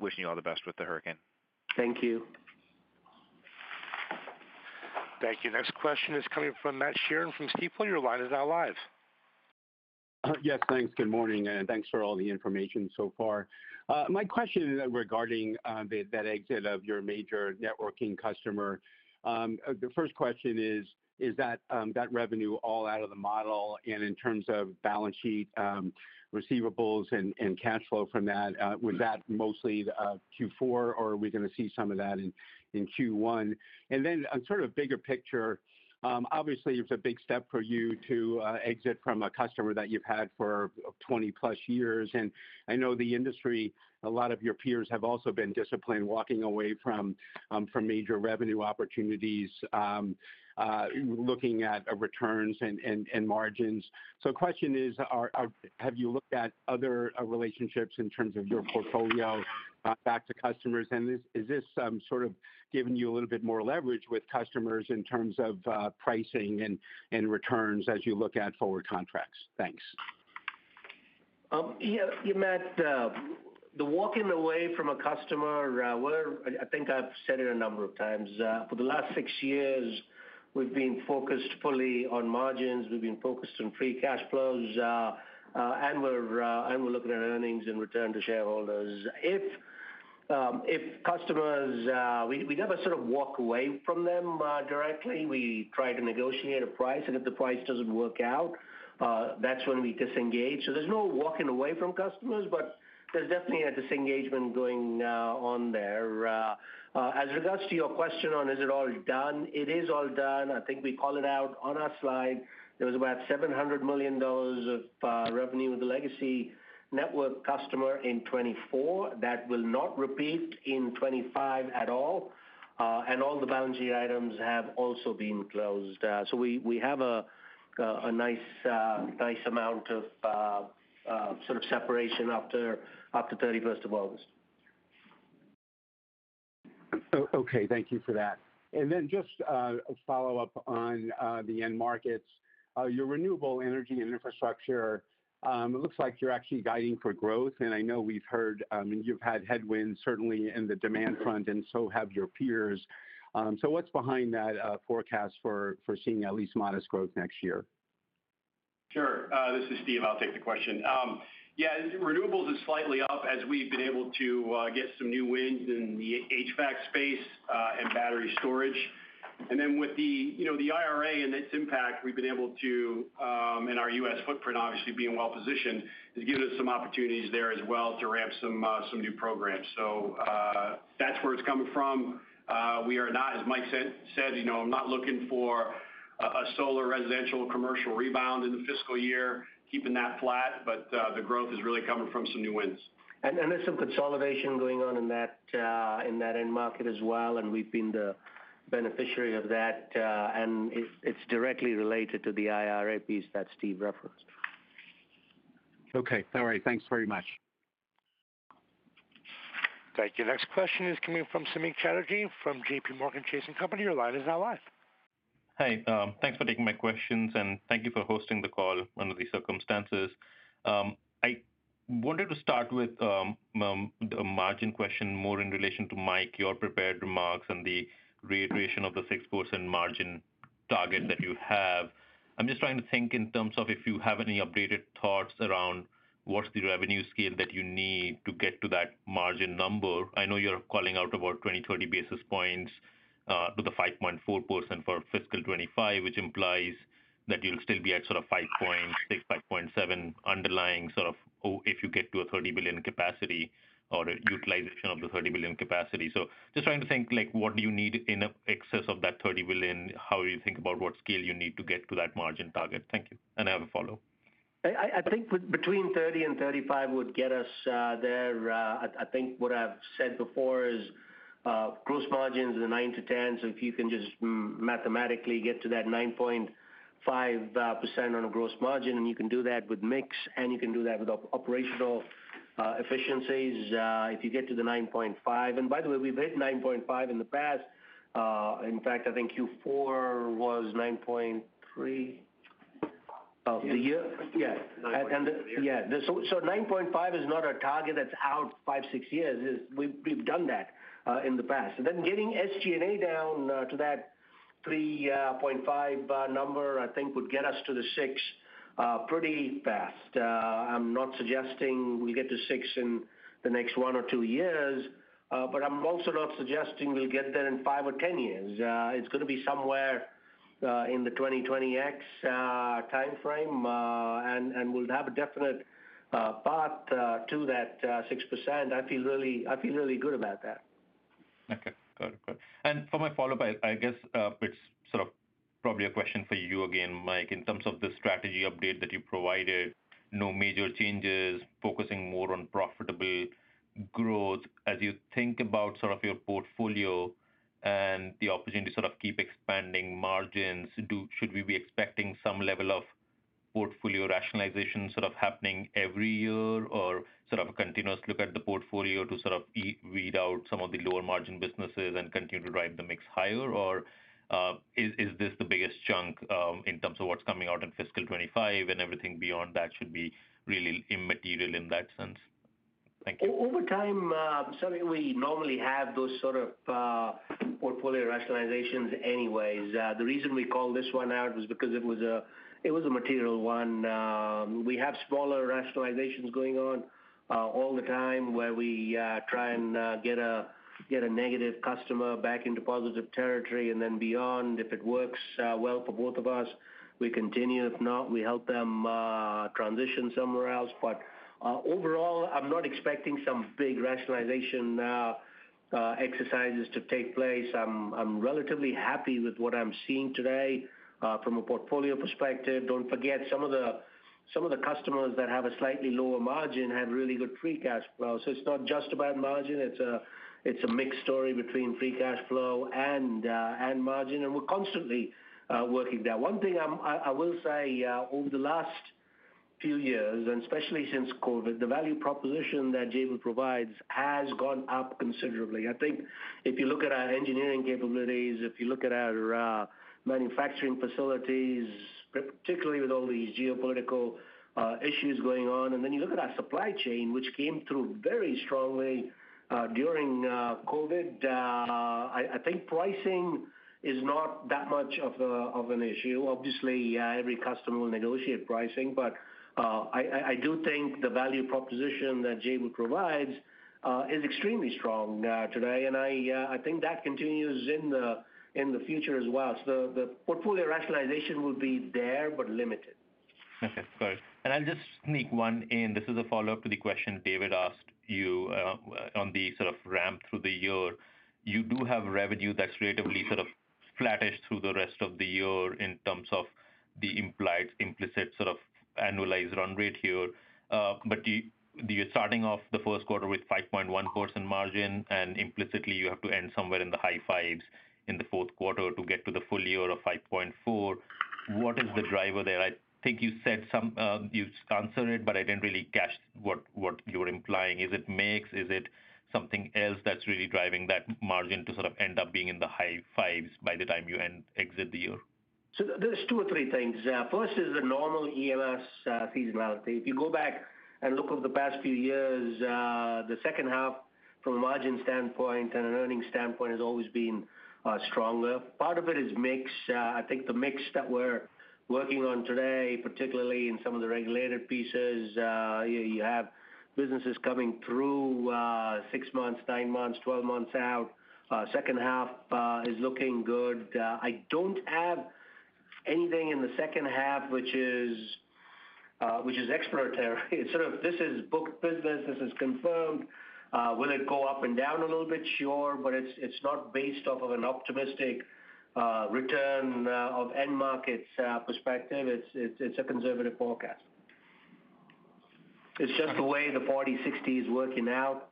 wishing you all the best with the hurricane. Thank you. Thank you. Next question is coming from Matt Sheerin from Stifel. Your line is now live. Yes, thanks. Good morning, and thanks for all the information so far. My question is regarding that exit of your major networking customer. The first question is, is that revenue all out of the model, and in terms of balance sheet, receivables and cash flow from that, was that mostly Q4, or are we going to see some of that in Q1? And then on sort of bigger picture, obviously, it's a big step for you to exit from a customer that you've had for 20-plus years, and I know the industry, a lot of your peers have also been disciplined, walking away from major revenue opportunities, looking at returns and margins. Question is, have you looked at other relationships in terms of your portfolio back to customers? And is this sort of giving you a little bit more leverage with customers in terms of pricing and returns as you look at forward contracts? Thanks. Yeah, yeah, Matt, the walking away from a customer, well, I think I've said it a number of times, for the last six years, we've been focused fully on margins. We've been focused on free cash flows, and we're looking at earnings and return to shareholders. If customers.. We never sort of walk away from them directly. We try to negotiate a price, and if the price doesn't work out, that's when we disengage. So there's no walking away from customers, but there's definitely a disengagement going on there. As regards to your question on is it all done? It is all done. I think we call it out on our slide. There was about $700 million of revenue with the legacy network customers in 2024.That will not repeat in 2025 at all, and all the balance sheet items have also been closed. So we have a nice amount of sort of separation after up to August 31st. Okay, thank you for that, and then just a follow-up on the end markets. Your renewable energy and infrastructure, it looks like you're actually guiding for growth, and I know we've heard, and you've had headwinds certainly in the demand front, and so have your peers. So what's behind that forecast for seeing at least modest growth next year? Sure. This is Steve. I'll take the question. Yeah, renewables is slightly up as we've been able to get some new wins in the HVAC space and battery storage. And then with the, you know, the IRA its impact, we've been able to, in our US footprint, obviously being well-positioned, has given us some opportunities there as well to ramp some new programs. So, that's where it's coming from. We are not, as Mike said, you know, I'm not looking for a solar, residential, commercial rebound in the fiscal year, keeping that flat, but, the growth is really coming from some new wins. There's some consolidation going on in that end market as well, and we've been the beneficiary of that, and it's directly related to the IRA piece that Steve referenced. Okay. All right, thanks very much. Thank you. Next question is coming from Samik Chatterjee from JPMorgan Chase & Co. Your line is now live. Hi, thanks for taking my questions, and thank you for hosting the call under these circumstances. I wanted to start with a margin question more in relation to Mike, your prepared remarks and the reiteration of the 6% margin target that you have. I'm just trying to think in terms of if you have any updated thoughts around what's the revenue scale that you need to get to that margin number. I know you're calling out about 20-30 basis points to the 5.4% for fiscal 2025, which implies that you'll still be at sort of 5.6, 5.7 underlying, sort of, if you get to a $30 billion capacity or a utilization of the $30 billion capacity. So just trying to think, like, what do you need in excess of that $30 billion? How do you think about what scale you need to get to that margin target? Thank you, and I have a follow. I think between 30 and 35 would get us there. I think what I've said before is gross margins are 9%-10%, so if you can just mathematically get to that 9.5% on a gross margin, and you can do that with mix, and you can do that with operational efficiencies, if you get to the 9.5%. By the way, we've hit 9.5% in the past. In fact, I think Q4 was 9.3% of the year. Yeah. Yeah. 9.5% is not a target that's out five, six years. We've done that in the past. Getting SG&A down to that 3.5% number, I think would get us to the 6% pretty fast. I'm not suggesting we get to 6% in the next one or two years, but I'm also not suggesting we'll get there in five or 10 years. It's gonna be somewhere in the 2020s timeframe. We'll have a definite path to that 6%. I feel really good about that. Okay. Good. Good. And for my follow-up, I guess, it's sort of probably a question for you again, Mike. In terms of the strategy update that you provided, no major changes, focusing more on profitable growth. As you think about sort of your portfolio and the opportunity to sort of keep expanding margins, should we be expecting some level of portfolio rationalization sort of happening every year, or sort of a continuous look at the portfolio to sort of weed out some of the lower margin businesses and continue to drive the mix higher? Or is this the biggest chunk, in terms of what's coming out in fiscal 2025 and everything beyond that should be really immaterial in that sense? Thank you. Over time, so we normally have those sort of portfolio rationalizations anyways. The reason we call this one out was because it was a material one. We have smaller rationalizations going on all the time, where we try and get a negative customer back into positive territory and then beyond. If it works well for both of us, we continue. If not, we help them transition somewhere else. Overall, I'm not expecting some big rationalization exercises to take place. I'm relatively happy with what I'm seeing today from a portfolio perspective. Don't forget, some of the customers that have a slightly lower margin have really good free cash flow. So it's not just about margin, it's a mixed story between free cash flow and margin, and we're constantly working there. One thing I will say over the last few years, and especially since COVID, the value proposition that Jabil provides has gone up considerably. I think if you look at our engineering capabilities, if you look at our manufacturing facilities, particularly with all these geopolitical issues going on, and then you look at our supply chain, which came through very strongly during COVID, I think pricing is not that much of an issue. Obviously, every customer will negotiate pricing, but I do think the value proposition that Jabil provides is extremely strong today, and I think that continues in the future as well. So the portfolio rationalization will be there, but limited. Okay, great. And I'll just sneak one in. This is a follow-up to the question David asked you on the sort of ramp through the year. You do have revenue that's relatively sort of flattish through the rest of the year in terms of the implied, implicit sort of annualized run rate here. But you're starting off the first quarter with 5.1% margin, and implicitly, you have to end somewhere in the high 5s in the fourth quarter to get to the full year of 5.4. What is the driver there? I think you said some. You answered it, but I didn't really catch what you were implying. Is it mix? Is it something else that's really driving that margin to sort of end up being in the high 5s by the time you end, exit the year? So there's two or three things. First is the normal EMS seasonality. If you go back and look over the past few years, the second half from a margin standpoint and an earnings standpoint has always been stronger. Part of it is mix. I think the mix that we're working on today, particularly in some of the regulated pieces, you have businesses coming through six months, nine months, twelve months out. Second half is looking good. I don't have anything in the second half, which is exploratory. It's sort of this is booked business, this is confirmed. Will it go up and down a little bit? Sure, but it's not based off of an optimistic return of end markets perspective. It's a conservative forecast. It's just the way the 40-60 is working out.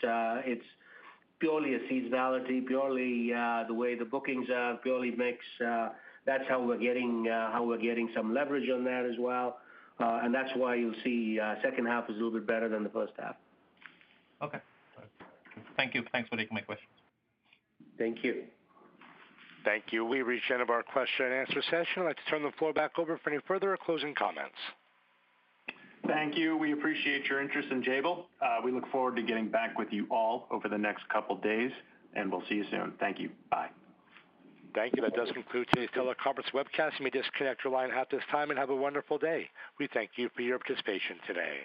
It's purely a seasonality, purely, the way the bookings are, purely mix. That's how we're getting some leverage on that as well. And that's why you'll see, second half is a little bit better than the first half. Okay. Thank you. Thanks for taking my questions. Thank you. Thank you. We've reached the end of our question-and-answer session. I'd like to turn the floor back over for any further closing comments. Thank you. We appreciate your interest in Jabil. We look forward to getting back with you all over the next couple of days, and we'll see you soon. Thank you. Bye. Thank you. That does conclude today's teleconference webcast. You may disconnect your line at this time, and have a wonderful day. We thank you for your participation today.